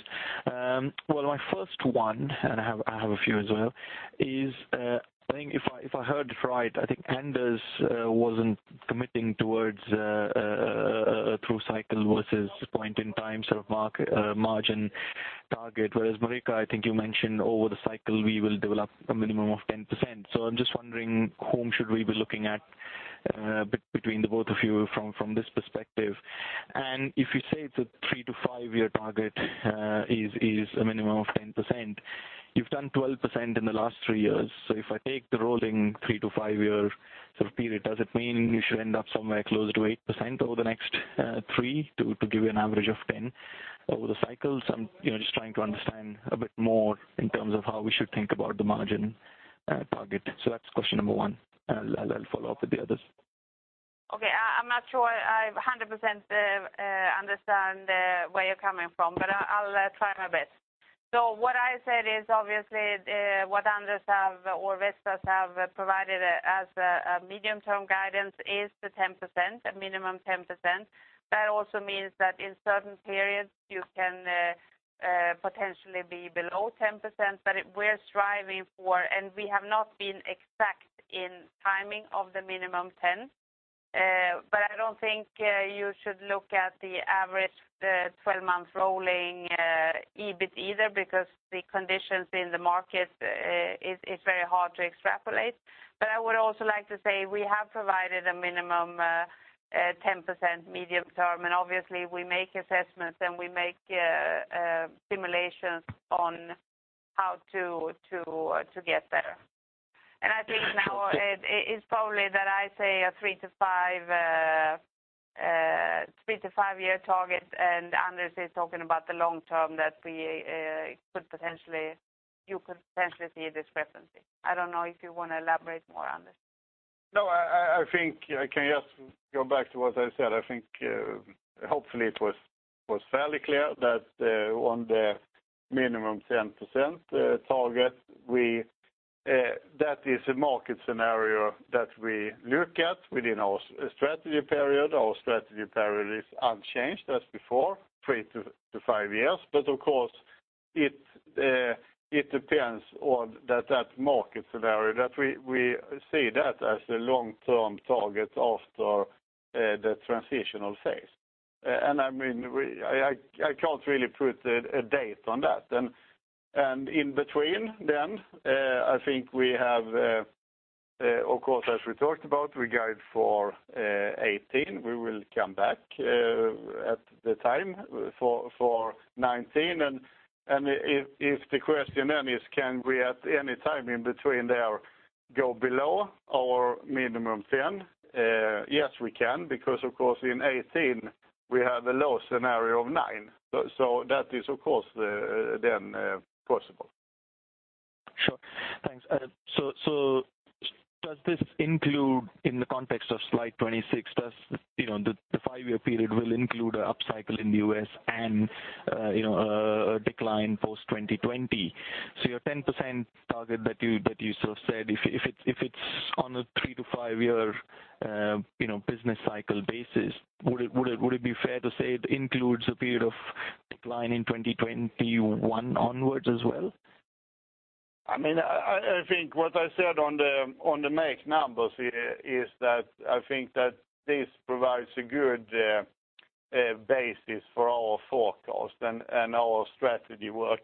My first one, I have a few as well, is, I think if I heard right, I think Anders wasn't committing towards a true cycle versus point in time sort of margin. Target, whereas Marika, I think you mentioned over the cycle we will develop a minimum of 10%. I'm just wondering, whom should we be looking at between the both of you from this perspective? If you say it's a three-to-five-year target, is a minimum of 10%, you've done 12% in the last three years. If I take the rolling three-to-five-year sort of period, does it mean you should end up somewhere closer to 8% over the next three to give you an average of 10% over the cycles? I'm just trying to understand a bit more in terms of how we should think about the margin target. That's question number one, and I'll follow up with the others. Okay. I'm not sure I 100% understand where you're coming from, but I'll try my best. What I said is, obviously, what Anders have or Vestas have provided as a medium-term guidance is the 10%, a minimum 10%. That also means that in certain periods you can potentially be below 10%, but we're striving for, and we have not been exact in timing of the minimum 10%. I don't think you should look at the average 12-month rolling EBIT either because the conditions in the market, it's very hard to extrapolate. I would also like to say we have provided a minimum 10% medium-term, and obviously, we make assessments and we make simulations on how to get there. I think now it's probably that I say a three to five-year target, and Anders is talking about the long-term that you could potentially see discrepancy. I don't know if you want to elaborate more, Anders. I think I can just go back to what I said. I think, hopefully, it was fairly clear that on the minimum 10% target, that is a market scenario that we look at within our strategy period. Our strategy period is unchanged as before, three to five years. Of course, it depends on that market scenario, that we see that as a long-term target after the transitional phase. I can't really put a date on that. In between then, I think we have, of course, as we talked about, we guide for 2018, we will come back at the time for 2019. If the question then is can we at any time in between there go below our minimum 10%? Yes, we can because, of course, in 2018, we have a low scenario of 9%. That is of course then possible. Sure. Thanks. Does this include in the context of slide 26, does the five-year period include an upcycle in the U.S. and a decline post 2020? Your 10% target that you sort of said, if it's on a three to five-year business cycle basis, would it be fair to say it includes a period of decline in 2021 onwards as well? I think what I said on the MAKE numbers is that this provides a good basis for our forecast and our strategy work.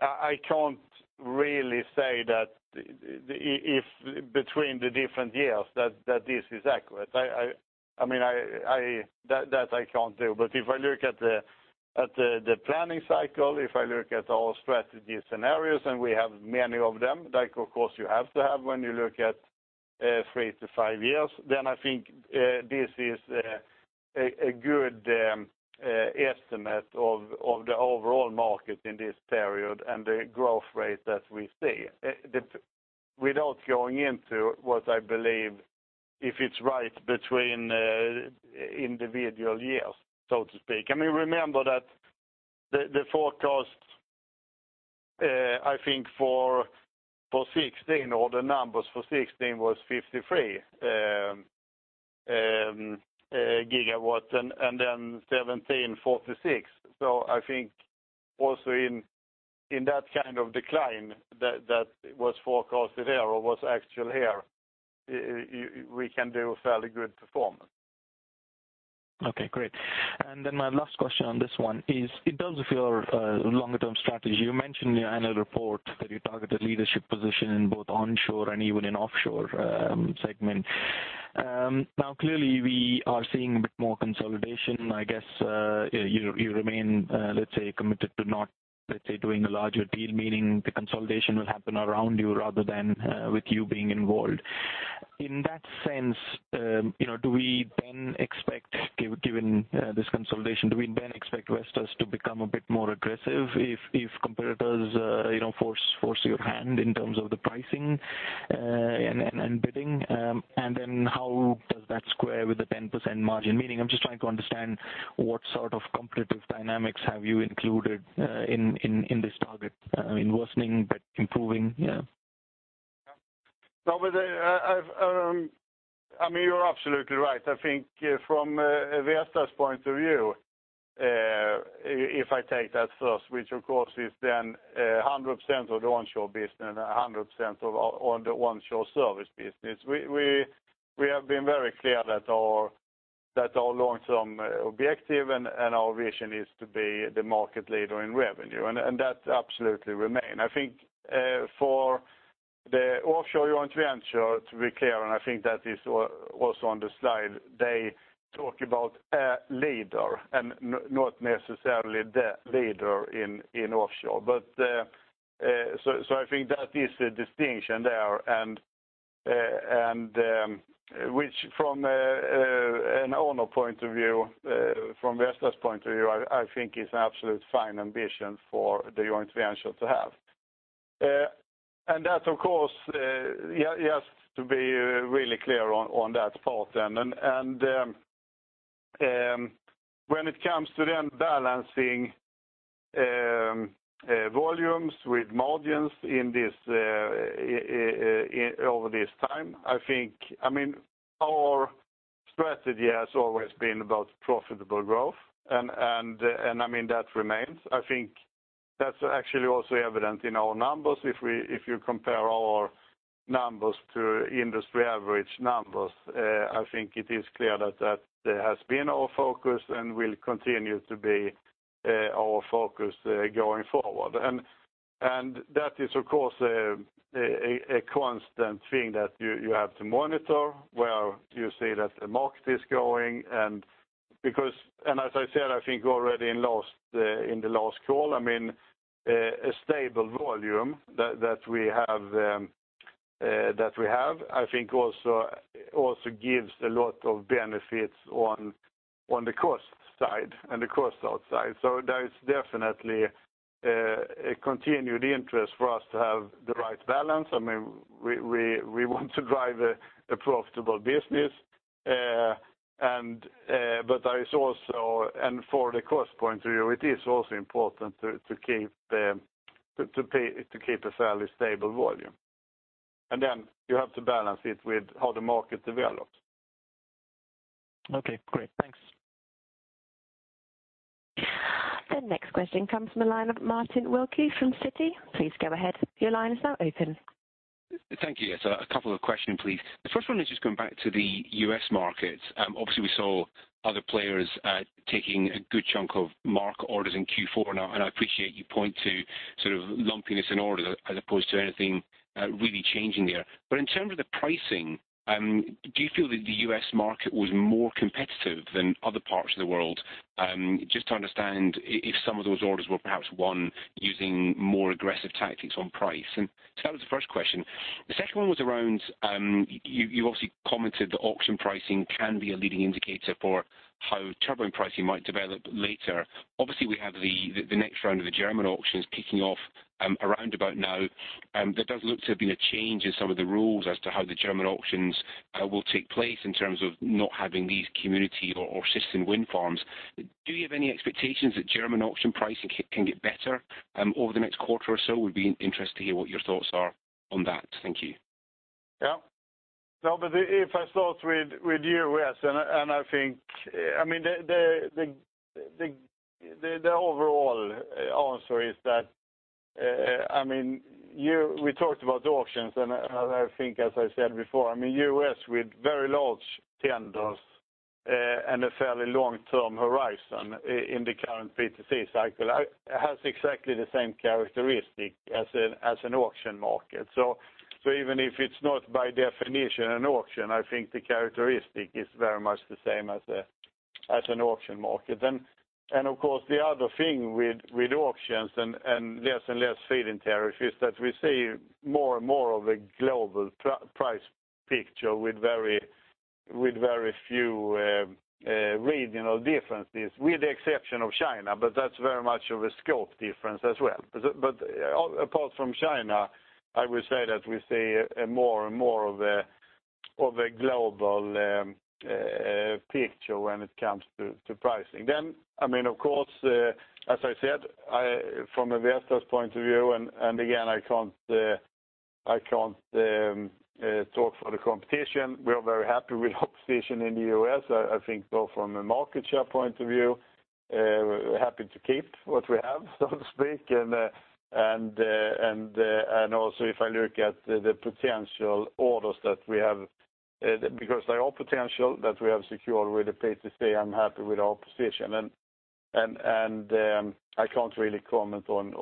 I can't really say that if between the different years that this is accurate. That I can't do. If I look at the planning cycle, if I look at our strategy scenarios, and we have many of them, like, of course, you have to have when you look at three to five years, then I think this is a good estimate of the overall market in this period and the growth rate that we see. Without going into what I believe, if it's right between individual years, so to speak. Remember that the forecast, I think for 2016 or the numbers for 2016 was 53 gigawatts and then 2017, 46. I think also in that kind of decline that was forecasted there or was actual here, we can do a fairly good performance. Okay, great. My last question on this one is in terms of your longer-term strategy, you mentioned in your annual report that you targeted leadership position in both onshore and even in offshore segment. Clearly, we are seeing a bit more consolidation. I guess you remain, let's say, committed to not, let's say, doing a larger deal, meaning the consolidation will happen around you rather than with you being involved. In that sense, given this consolidation, do we then expect Vestas to become a bit more aggressive if competitors force your hand in terms of the pricing and bidding? How does that square with the 10% margin? Meaning I'm just trying to understand what sort of competitive dynamics have you included in this target, worsening but improving? You're absolutely right. I think from Vestas point of view, if I take that first, which of course is then 100% of the onshore business and 100% of the onshore service business. We have been very clear that our That's our long-term objective, and our vision is to be the market leader in revenue, and that absolutely remains. I think for the offshore joint venture to be clear, and I think that is also on the slide, they talk about a leader and not necessarily the leader in offshore. I think that is a distinction there, which from an owner point of view, from Vestas point of view, I think is an absolute fine ambition for the joint venture to have. That, of course, has to be really clear on that part then. When it comes to then balancing volumes with margins over this time, our strategy has always been about profitable growth and that remains. I think that's actually also evident in our numbers. If you compare our numbers to industry average numbers, I think it is clear that that has been our focus and will continue to be our focus going forward. That is, of course, a constant thing that you have to monitor, where you see that the market is going. As I said, I think already in the last call, a stable volume that we have, I think also gives a lot of benefits on the cost side and the cost-out side. There is definitely a continued interest for us to have the right balance. We want to drive a profitable business. For the cost point of view, it is also important to keep a fairly stable volume. Then you have to balance it with how the market develops. Okay, great. Thanks. The next question comes from the line of Martin Wilkie from Citi. Please go ahead. Your line is now open. Thank you. Yeah, two questions, please. The first one is just coming back to the U.S. market. Obviously, we saw other players taking a good chunk of market orders in Q4. Now, I appreciate you point to sort of lumpiness in orders as opposed to anything really changing there. In terms of the pricing, do you feel that the U.S. market was more competitive than other parts of the world? Just to understand if some of those orders were perhaps won using more aggressive tactics on price. That was the first question. The second one was around, you obviously commented that auction pricing can be a leading indicator for how turbine pricing might develop later. Obviously, we have the next round of the German auctions kicking off around about now. There does look to have been a change in some of the rules as to how the German auctions will take place in terms of not having these community or citizen wind farms. Do you have any expectations that German auction pricing can get better over the next quarter or so? Would be interested to hear what your thoughts are on that. Thank you. Yeah. No, if I start with U.S., I think the overall answer is that, we talked about the auctions and I think as I said before, U.S. with very large tenders and a fairly long-term horizon in the current PTC cycle, has exactly the same characteristic as an auction market. Even if it's not by definition an auction, I think the characteristic is very much the same as an auction market. Of course, the other thing with auctions and less and less feed-in tariffs is that we see more and more of a global price picture with very few regional differences, with the exception of China, but that's very much of a scope difference as well. Apart from China, I would say that we see more and more of a global picture when it comes to pricing. As I said, from a Vestas point of view, again, I can't talk for the competition. We are very happy with our position in the U.S., I think both from a market share point of view, we're happy to keep what we have, so to speak. Also if I look at the potential orders that we have, because they are potential that we have secured with the PTC, I'm happy with our position. I can't really comment on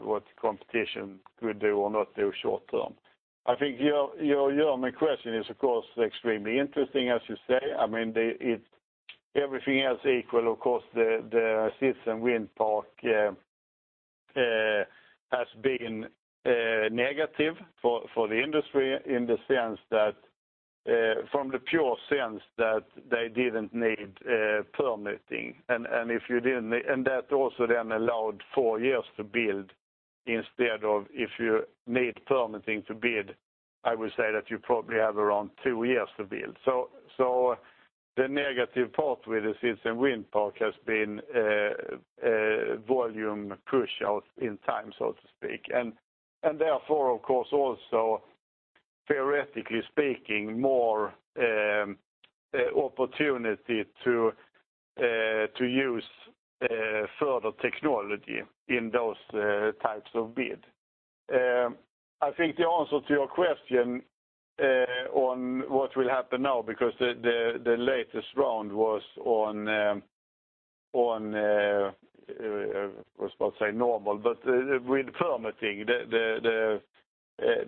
what the competition could do or not do short term. I think your main question is, of course, extremely interesting, as you say. Everything else equal, of course, the citizen wind park has been negative for the industry in the sense that, from the pure sense that they didn't need permitting. That also then allowed 4 years to build instead of if you need permitting to bid, I would say that you probably have around 2 years to build. The negative part with the citizen wind park has been volume push out in time, so to speak. Therefore, of course, also, theoretically speaking, more opportunity to use further technology in those types of bid. I think the answer to your question on what will happen now, because the latest round was on, I was about to say normal, but with permitting,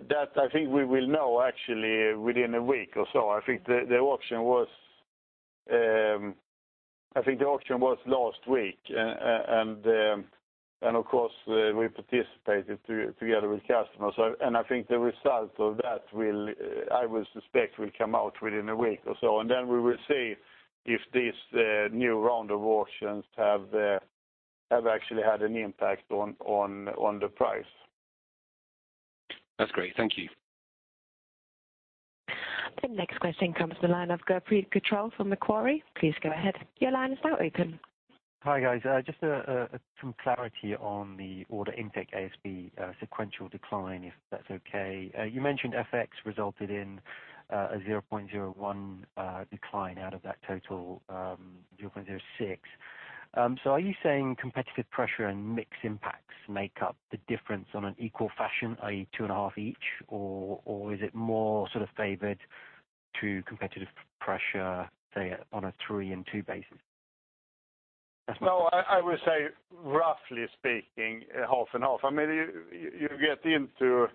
that I think we will know actually within a week or so. I think the auction was last week, of course, we participated together with customers. I think the result of that, I would suspect, will come out within a week or so. Then we will see if this new round of auctions have actually had an impact on the price. That's great. Thank you. The next question comes to the line of Gurpreet Gujral from Macquarie. Please go ahead. Your line is now open. Hi, guys. Just some clarity on the order intake ASP sequential decline, if that's okay. You mentioned FX resulted in a 0.01 decline out of that total 0.06. Are you saying competitive pressure and mix impacts make up the difference on an equal fashion, i.e. two and a half each? Is it more sort of favored to competitive pressure, say, on a three and two basis? No, I would say roughly speaking, half and half. You get into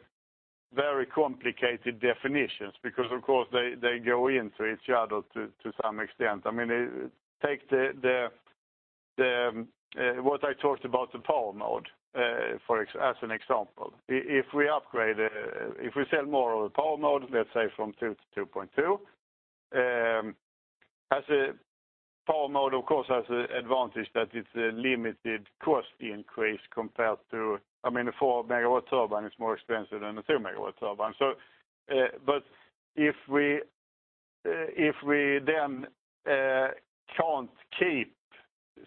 very complicated definitions because, of course, they go into each other to some extent. Take what I talked about the power mode, as an example. If we sell more of a power mode, let's say from two to 2.2, power mode, of course, has the advantage that it's a limited cost increase compared to a four-megawatt turbine is more expensive than a two-megawatt turbine. If we then can't keep,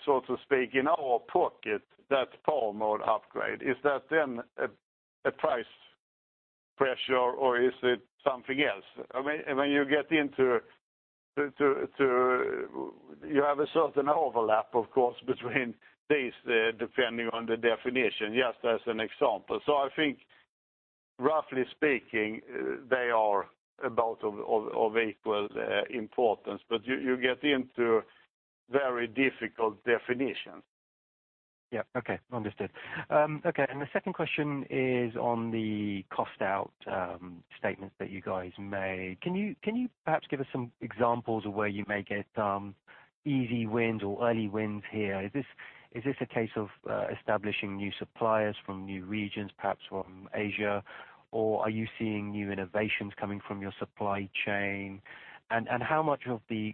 so to speak, in our pocket that power mode upgrade, is that then a price pressure or is it something else? You have a certain overlap, of course, between these depending on the definition. Just as an example. I think roughly speaking, they are about of equal importance, but you get into very difficult definitions. Yeah. Okay. Understood. Okay, the second question is on the cost out statements that you guys made. Can you perhaps give us some examples of where you may get some easy wins or early wins here? Is this a case of establishing new suppliers from new regions, perhaps from Asia? Are you seeing new innovations coming from your supply chain? How much of the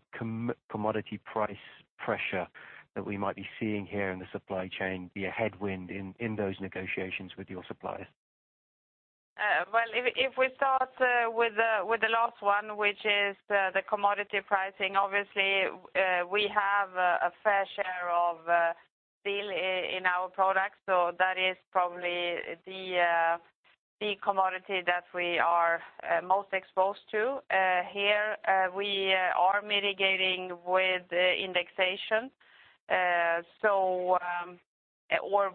commodity price pressure that we might be seeing here in the supply chain be a headwind in those negotiations with your suppliers? If we start with the last one, which is the commodity pricing, obviously, we have a fair share of steel in our products, that is probably the commodity that we are most exposed to. Here, we are mitigating with indexation.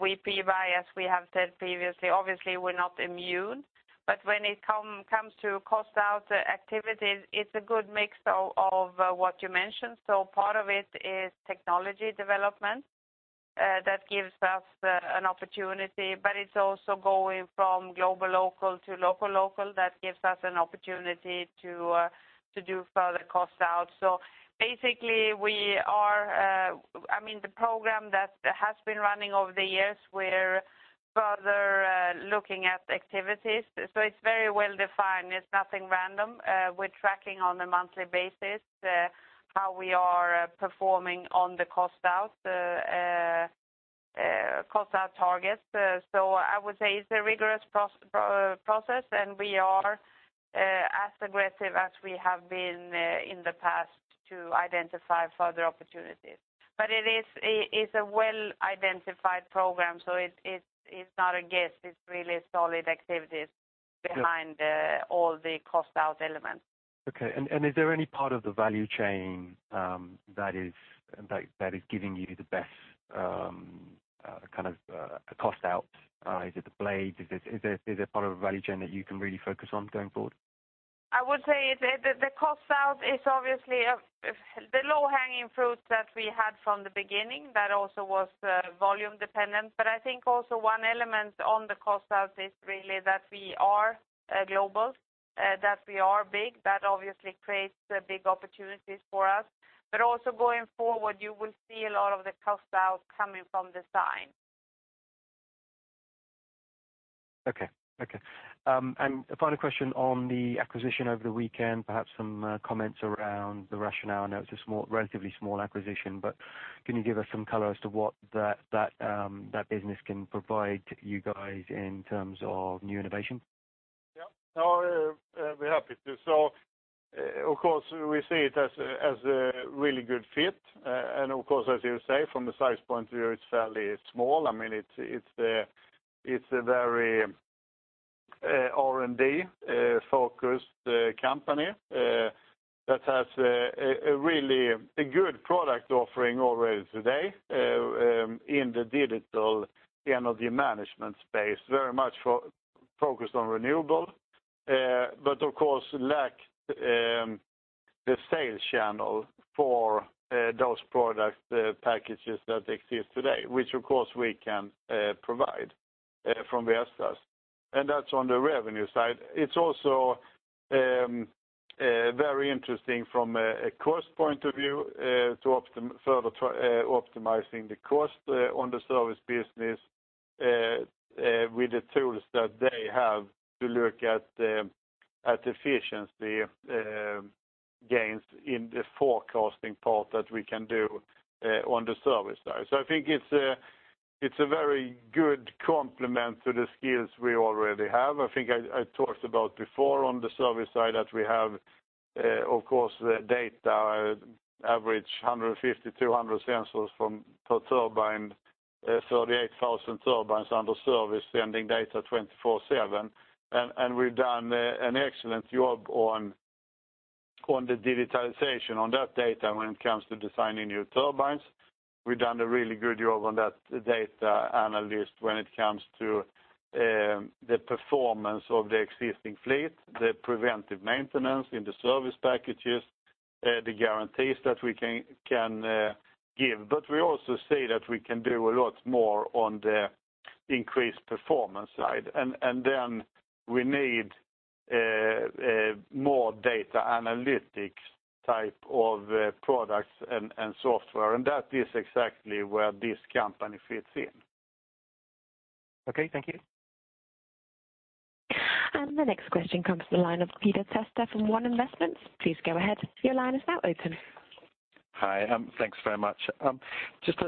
We pre-buy, as we have said previously. Obviously, we're not immune, but when it comes to cost out activities, it's a good mix of what you mentioned. Part of it is technology development that gives us an opportunity, but it's also going from global local to local local that gives us an opportunity to do further cost out. Basically, the program that has been running over the years, we're further looking at activities. It's very well-defined. It's nothing random. We're tracking on a monthly basis how we are performing on the cost out targets. I would say it's a rigorous process, and we are as aggressive as we have been in the past to identify further opportunities. It's a well-identified program, it's not a guess. It's really solid activities behind all the cost out elements. Okay. Is there any part of the value chain that is giving you the best kind of a cost out? Is it the blade? Is there a part of a value chain that you can really focus on going forward? I would say the cost out is obviously the low-hanging fruit that we had from the beginning. That also was volume-dependent. I think also one element on the cost out is really that we are global, that we are big. That obviously creates big opportunities for us. Also going forward, you will see a lot of the cost out coming from design. Okay. A final question on the acquisition over the weekend, perhaps some comments around the rationale. I know it's a relatively small acquisition, but can you give us some color as to what that business can provide you guys in terms of new innovation? Yeah. I'll be happy to. Of course, we see it as a really good fit. Of course, as you say, from the size point of view, it's fairly small. It's a very R&D-focused company. That has a really good product offering already today in the digital energy management space, very much focused on renewable, but of course, lacked the sales channel for those product packages that exist today, which, of course, we can provide from Vestas, and that's on the revenue side. It's also very interesting from a cost point of view to further optimizing the cost on the service business with the tools that they have to look at the efficiency gains in the forecasting part that we can do on the service side. I think it's a very good complement to the skills we already have. I think I talked about before on the service side that we have, of course, the data, average 150, 200 sensors per turbine, 38,000 turbines under service, sending data 24/7. We've done an excellent job on the digitalization on that data when it comes to designing new turbines. We've done a really good job on that data analysis when it comes to the performance of the existing fleet, the preventive maintenance in the service packages, the guarantees that we can give. We also see that we can do a lot more on the increased performance side. Then we need more data analytics type of products and software, and that is exactly where this company fits in. Okay. Thank you. The next question comes from the line of Peter Testa from One Investments. Please go ahead. Your line is now open. Hi. Thanks very much. Just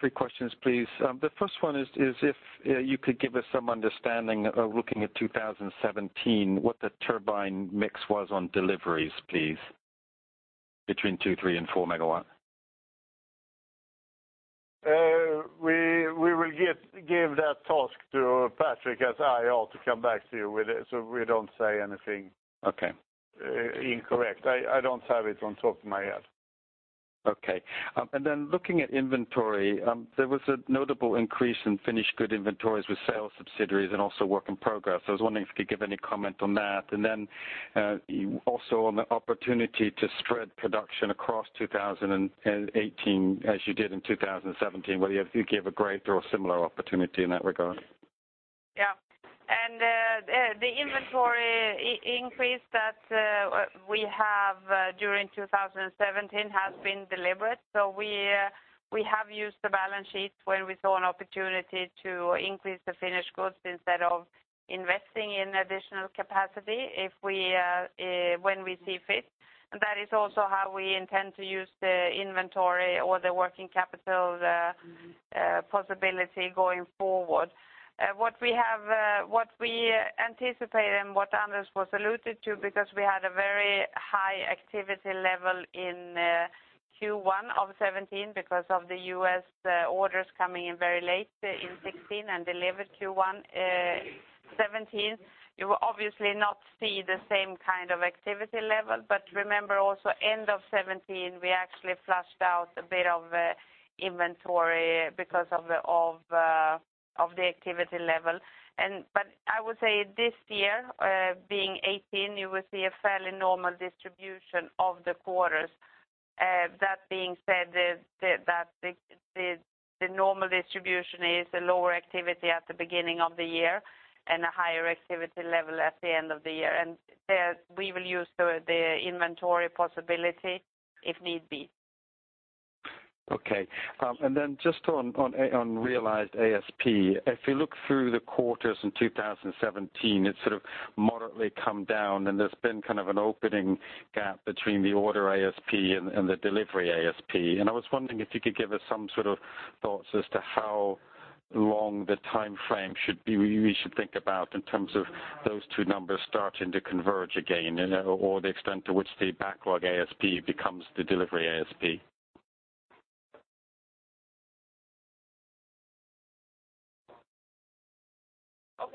three questions, please. The first one is if you could give us some understanding of looking at 2017, what the turbine mix was on deliveries, please, between two, three, and four megawatt. We will give that task to Patrik as IR to come back to you with it, so we don't say anything Okay incorrect. I don't have it on top of my head. Okay. Looking at inventory, there was a notable increase in finished good inventories with sales subsidiaries and also work in progress. I was wondering if you could give any comment on that. Also on the opportunity to spread production across 2018 as you did in 2017, where you gave a greater or similar opportunity in that regard. Yeah. The inventory increase that we have during 2017 has been deliberate. We have used the balance sheet when we saw an opportunity to increase the finished goods instead of investing in additional capacity when we see fit. That is also how we intend to use the inventory or the working capital possibility going forward. What we anticipate and what Anders was alluded to, because we had a very high activity level in Q1 of 2017 because of the U.S. orders coming in very late in 2016 and delivered Q1 2017, you will obviously not see the same kind of activity level. Remember also end of 2017, we actually flushed out a bit of inventory because of the activity level. I would say this year being 2018, you will see a fairly normal distribution of the quarters. That being said, the normal distribution is a lower activity at the beginning of the year and a higher activity level at the end of the year. We will use the inventory possibility if need be. Okay. Just on realized ASP, if you look through the quarters in 2017, it's sort of moderately come down, and there's been kind of an opening gap between the order ASP and the delivery ASP. I was wondering if you could give us some sort of thoughts as to how long the timeframe should be, we should think about in terms of those two numbers starting to converge again, or the extent to which the backlog ASP becomes the delivery ASP.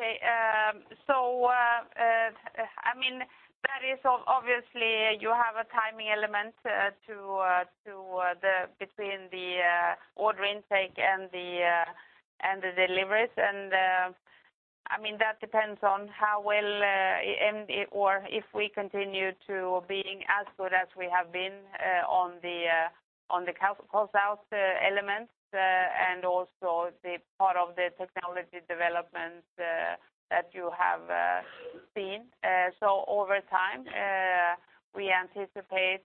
Okay. Obviously you have a timing element between the order intake and the deliveries. That depends on how well, or if we continue to being as good as we have been on the cost out elements, also the part of the technology development that you have seen. Over time, we anticipate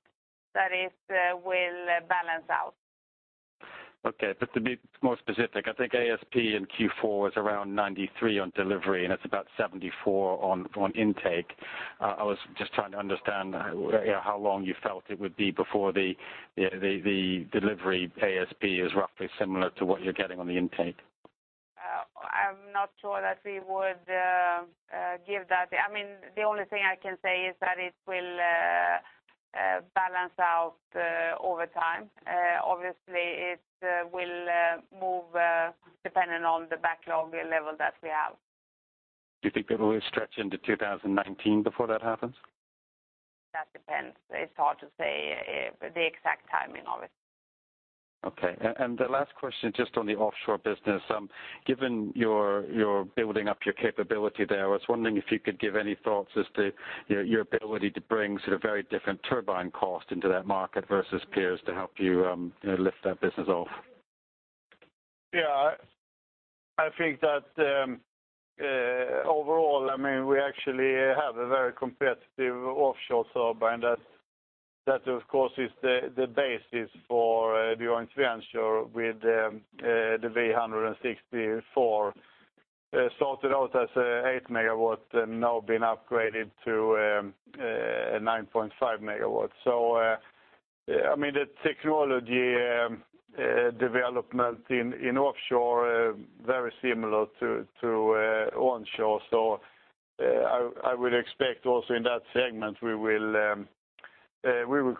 that it will balance out. Okay. To be more specific, I think ASP in Q4 is around 93 on delivery, it's about 74 on intake. I was just trying to understand how long you felt it would be before the delivery ASP is roughly similar to what you're getting on the intake. I'm not sure that we would give that. The only thing I can say is that it will balance out over time. Obviously, it will move depending on the backlog level that we have. Do you think it will stretch into 2019 before that happens? That depends. It's hard to say the exact timing of it. Okay. The last question, just on the offshore business, given you're building up your capability there, I was wondering if you could give any thoughts as to your ability to bring very different turbine cost into that market versus peers to help you lift that business off. Yeah. I think that, overall, we actually have a very competitive offshore turbine. That, of course, is the basis for the joint venture with the V164. It started out as a eight megawatt, now been upgraded to 9.5 megawatts. The technology development in offshore, very similar to onshore. I would expect also in that segment, we will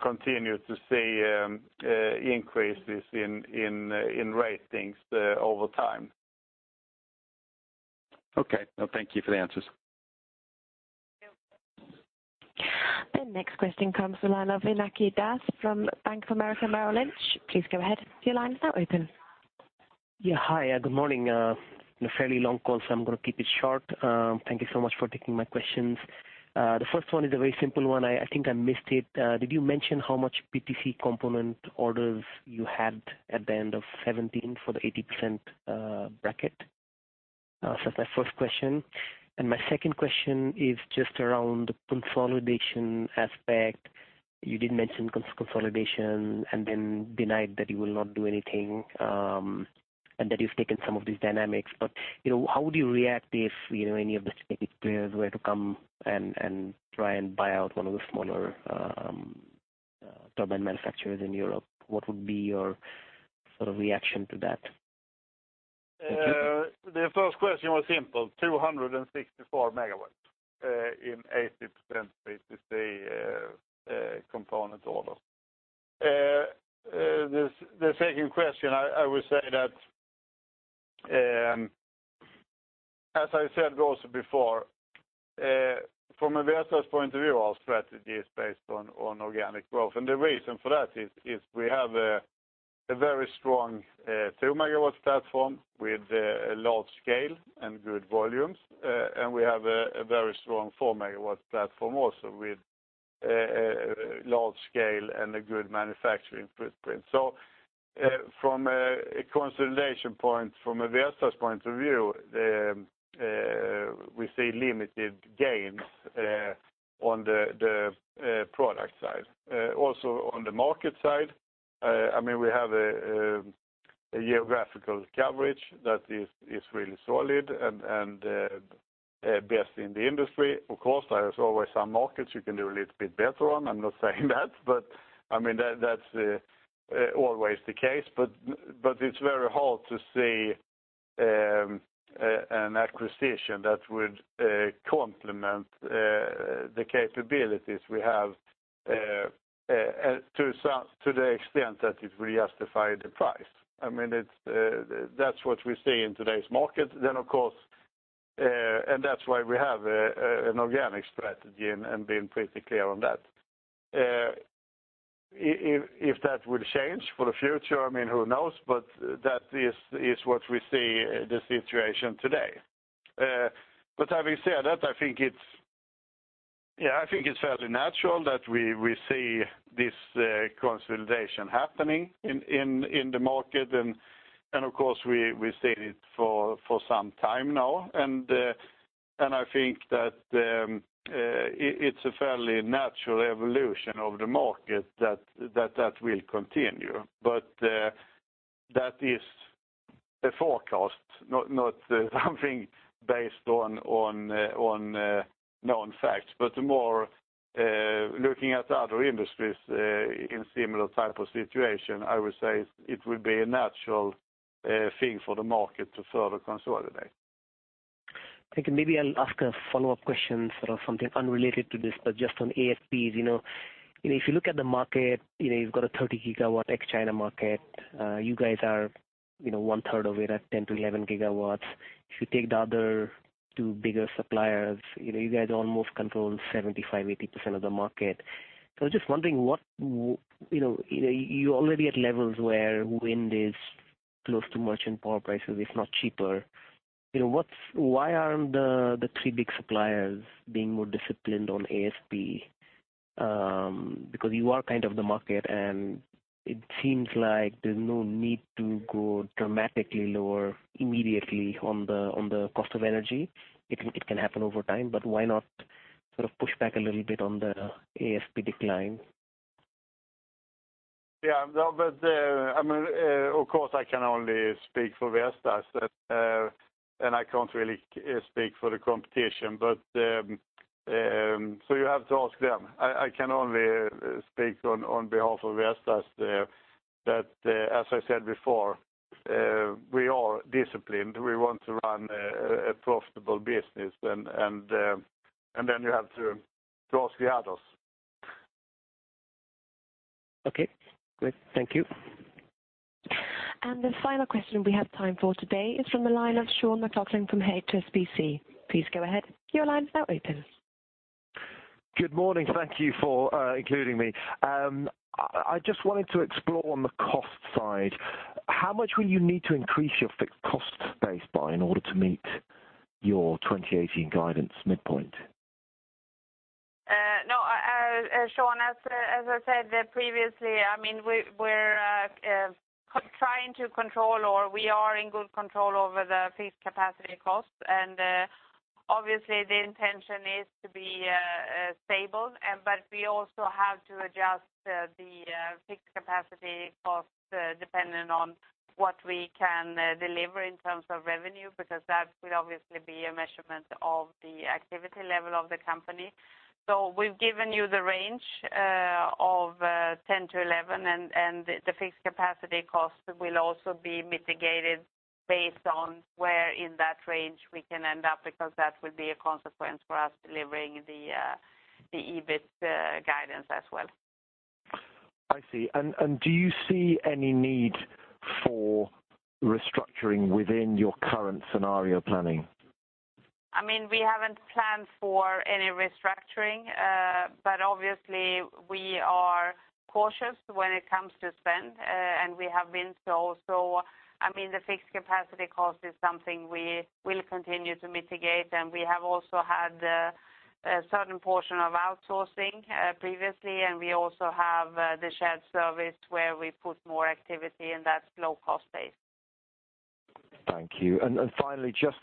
continue to see increases in ratings over time. Okay. No, thank you for the answers. The next question comes from the line of Pinaki Das from Bank of America Merrill Lynch. Please go ahead. Your line is now open. Yeah. Hi, good morning. A fairly long call, so I'm going to keep it short. Thank you so much for taking my questions. The first one is a very simple one. I think I missed it. Did you mention how much PTC component orders you had at the end of 2017 for the 80% bracket? That's my first question. My second question is just around the consolidation aspect. You did mention consolidation and then denied that you will not do anything, and that you've taken some of these dynamics. How would you react if any of the strategic players were to come and try and buy out one of the smaller turbine manufacturers in Europe? What would be your reaction to that? Thank you. The first question was simple, 264 megawatts in 80% PTC component orders. The second question, I would say that, as I said also before, from a Vestas point of view, our strategy is based on organic growth. The reason for that is we have a very strong two megawatts platform with a large scale and good volumes. We have a very strong four megawatts platform also with a large scale and a good manufacturing footprint. From a consolidation point, from a Vestas point of view, we see limited gains on the product side. Also on the market side, we have a geographical coverage that is really solid and best in the industry. Of course, there's always some markets you can do a little bit better on. I'm not saying that, but that's always the case. It's very hard to see an acquisition that would complement the capabilities we have to the extent that it would justify the price. That's what we see in today's market. That's why we have an organic strategy and been pretty clear on that. If that will change for the future, who knows? That is what we see the situation today. Having said that, I think it's fairly natural that we see this consolidation happening in the market, and of course, we've seen it for some time now. I think that it's a fairly natural evolution of the market that that will continue. That is a forecast, not something based on known facts, but the more looking at other industries in similar type of situation, I would say it would be a natural thing for the market to further consolidate. Okay. Maybe I'll ask a follow-up question, something unrelated to this, just on ASPs. If you look at the market, you've got a 30 GW ex-China market. You guys are 1/3 of it at 10 GW-11 GW. If you take the other two bigger suppliers, you guys almost control 75%-80% of the market. I was just wondering, you're already at levels where wind is close to merchant power prices, if not cheaper. Why aren't the three big suppliers being more disciplined on ASP? You are kind of the market, and it seems like there's no need to go dramatically lower immediately on the cost of energy. It can happen over time, why not sort of push back a little bit on the ASP decline? Yeah. Of course, I can only speak for Vestas, and I can't really speak for the competition. You have to ask them. I can only speak on behalf of Vestas, that as I said before, we are disciplined. We want to run a profitable business, you have to ask the others Okay, great. Thank you. The final question we have time for today is from the line of Sean McLoughlin from HSBC. Please go ahead. Your line's now open. Good morning. Thank you for including me. I just wanted to explore on the cost side, how much will you need to increase your fixed cost base by in order to meet your 2018 guidance midpoint? Sean, as I said previously, we're trying to control, or we are in good control over the fixed capacity costs. Obviously the intention is to be stable. We also have to adjust the fixed capacity cost depending on what we can deliver in terms of revenue, because that will obviously be a measurement of the activity level of the company. We've given you the range of 10 to 11, and the fixed capacity cost will also be mitigated based on where in that range we can end up, because that will be a consequence for us delivering the EBIT guidance as well. I see. Do you see any need for restructuring within your current scenario planning? We haven't planned for any restructuring. Obviously we are cautious when it comes to spend, and we have been so. The fixed capacity cost is something we will continue to mitigate, and we have also had a certain portion of outsourcing previously, and we also have the shared service where we put more activity, and that's low-cost base. Thank you. Finally, just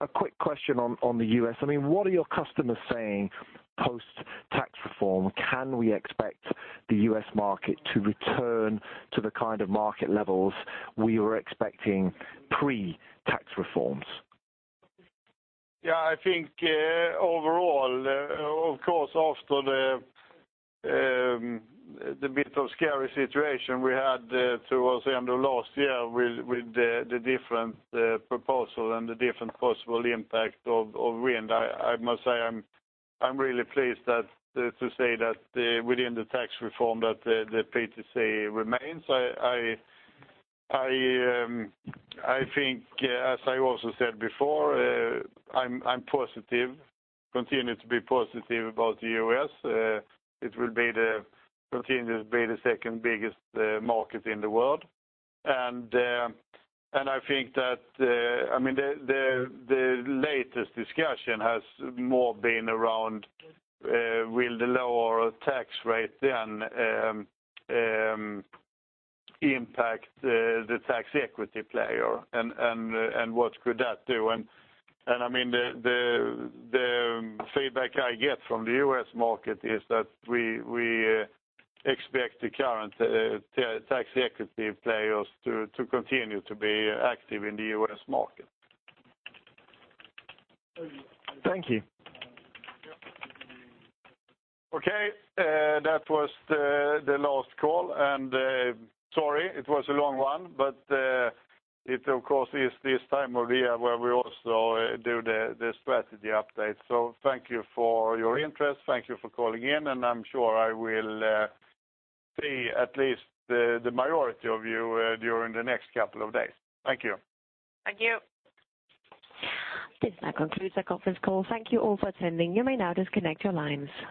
a quick question on the U.S. What are your customers saying post-tax reform? Can we expect the U.S. market to return to the kind of market levels we were expecting pre-tax reforms? I think overall, of course, after the bit of scary situation we had towards the end of last year with the different proposal and the different possible impact of wind, I must say I'm really pleased to say that within the tax reform that the PTC remains. I think, as I also said before, I'm positive, continue to be positive about the U.S. It will continue to be the second biggest market in the world. I think that the latest discussion has more been around will the lower tax rate then impact the tax equity player and what could that do? The feedback I get from the U.S. market is that we expect the current tax equity players to continue to be active in the U.S. market. Thank you. That was the last call, sorry it was a long one, it of course is this time of year where we also do the strategy update. Thank you for your interest. Thank you for calling in, I'm sure I will see at least the majority of you during the next couple of days. Thank you. Thank you. This now concludes the conference call. Thank you all for attending. You may now disconnect your lines.